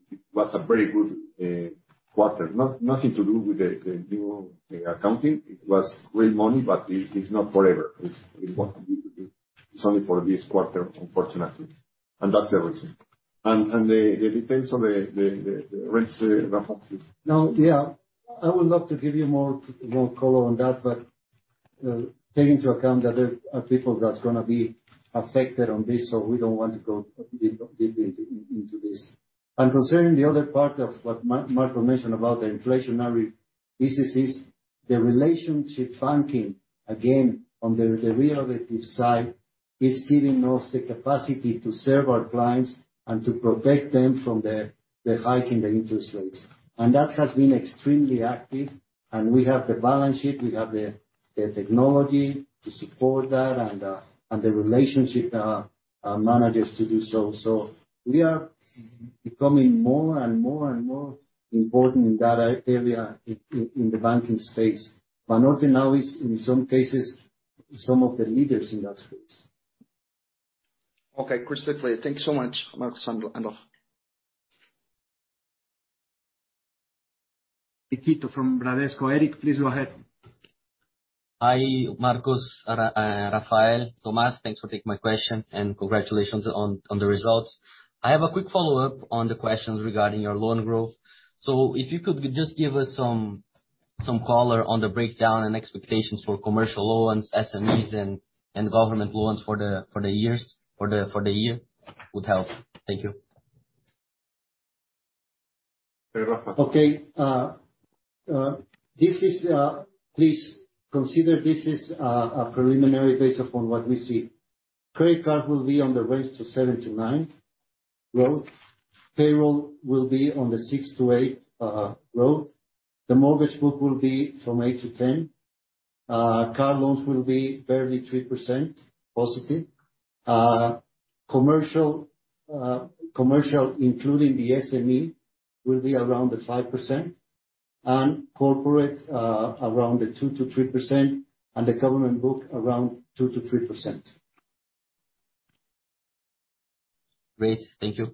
it was a very good quarter. Nothing to do with the new accounting. It was real money, but it's not forever. It's what we do. It's only for this quarter, unfortunately. That's the reason. It depends on the rents, Rafa, please. No, yeah. I would love to give you more color on that, but take into account that there are people that's gonna be affected on this, so we don't want to go deep into this. Concerning the other part of what Marco mentioned about the inflationary businesses, the relationship banking, again, on the derivative side, is giving us the capacity to serve our clients and to protect them from the hike in the interest rates. That has been extremely active. We have the balance sheet, we have the technology to support that and the relationship managers to do so. We are becoming more and more important in that area in the banking space. Banorte now is, in some cases, some of the leaders in that space. Okay. Thank you so much, Marcos and Rafa. Eric Ito from Bradesco. Eric, please go ahead. Hi, Marcos, Rafael, Tomás, thanks for taking my question, and congratulations on the results. I have a quick follow-up on the questions regarding your loan growth. If you could just give us some color on the breakdown and expectations for commercial loans, SMEs and government loans for the year would help. Thank you. Sure, Rafa. Please consider this is a preliminary based upon what we see. Credit card will be in the range 7%-9% growth. Payroll will be in the 6%-8% growth. The mortgage book will be from 8%-10%. Car loans will be barely 3% positive. Commercial, including the SME, will be around 5%. Corporate around 2%-3%, and the government book around 2%-3%. Great. Thank you.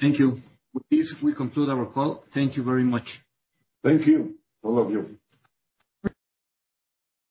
Thank you. With this, we conclude our call. Thank you very much. Thank you, all of you.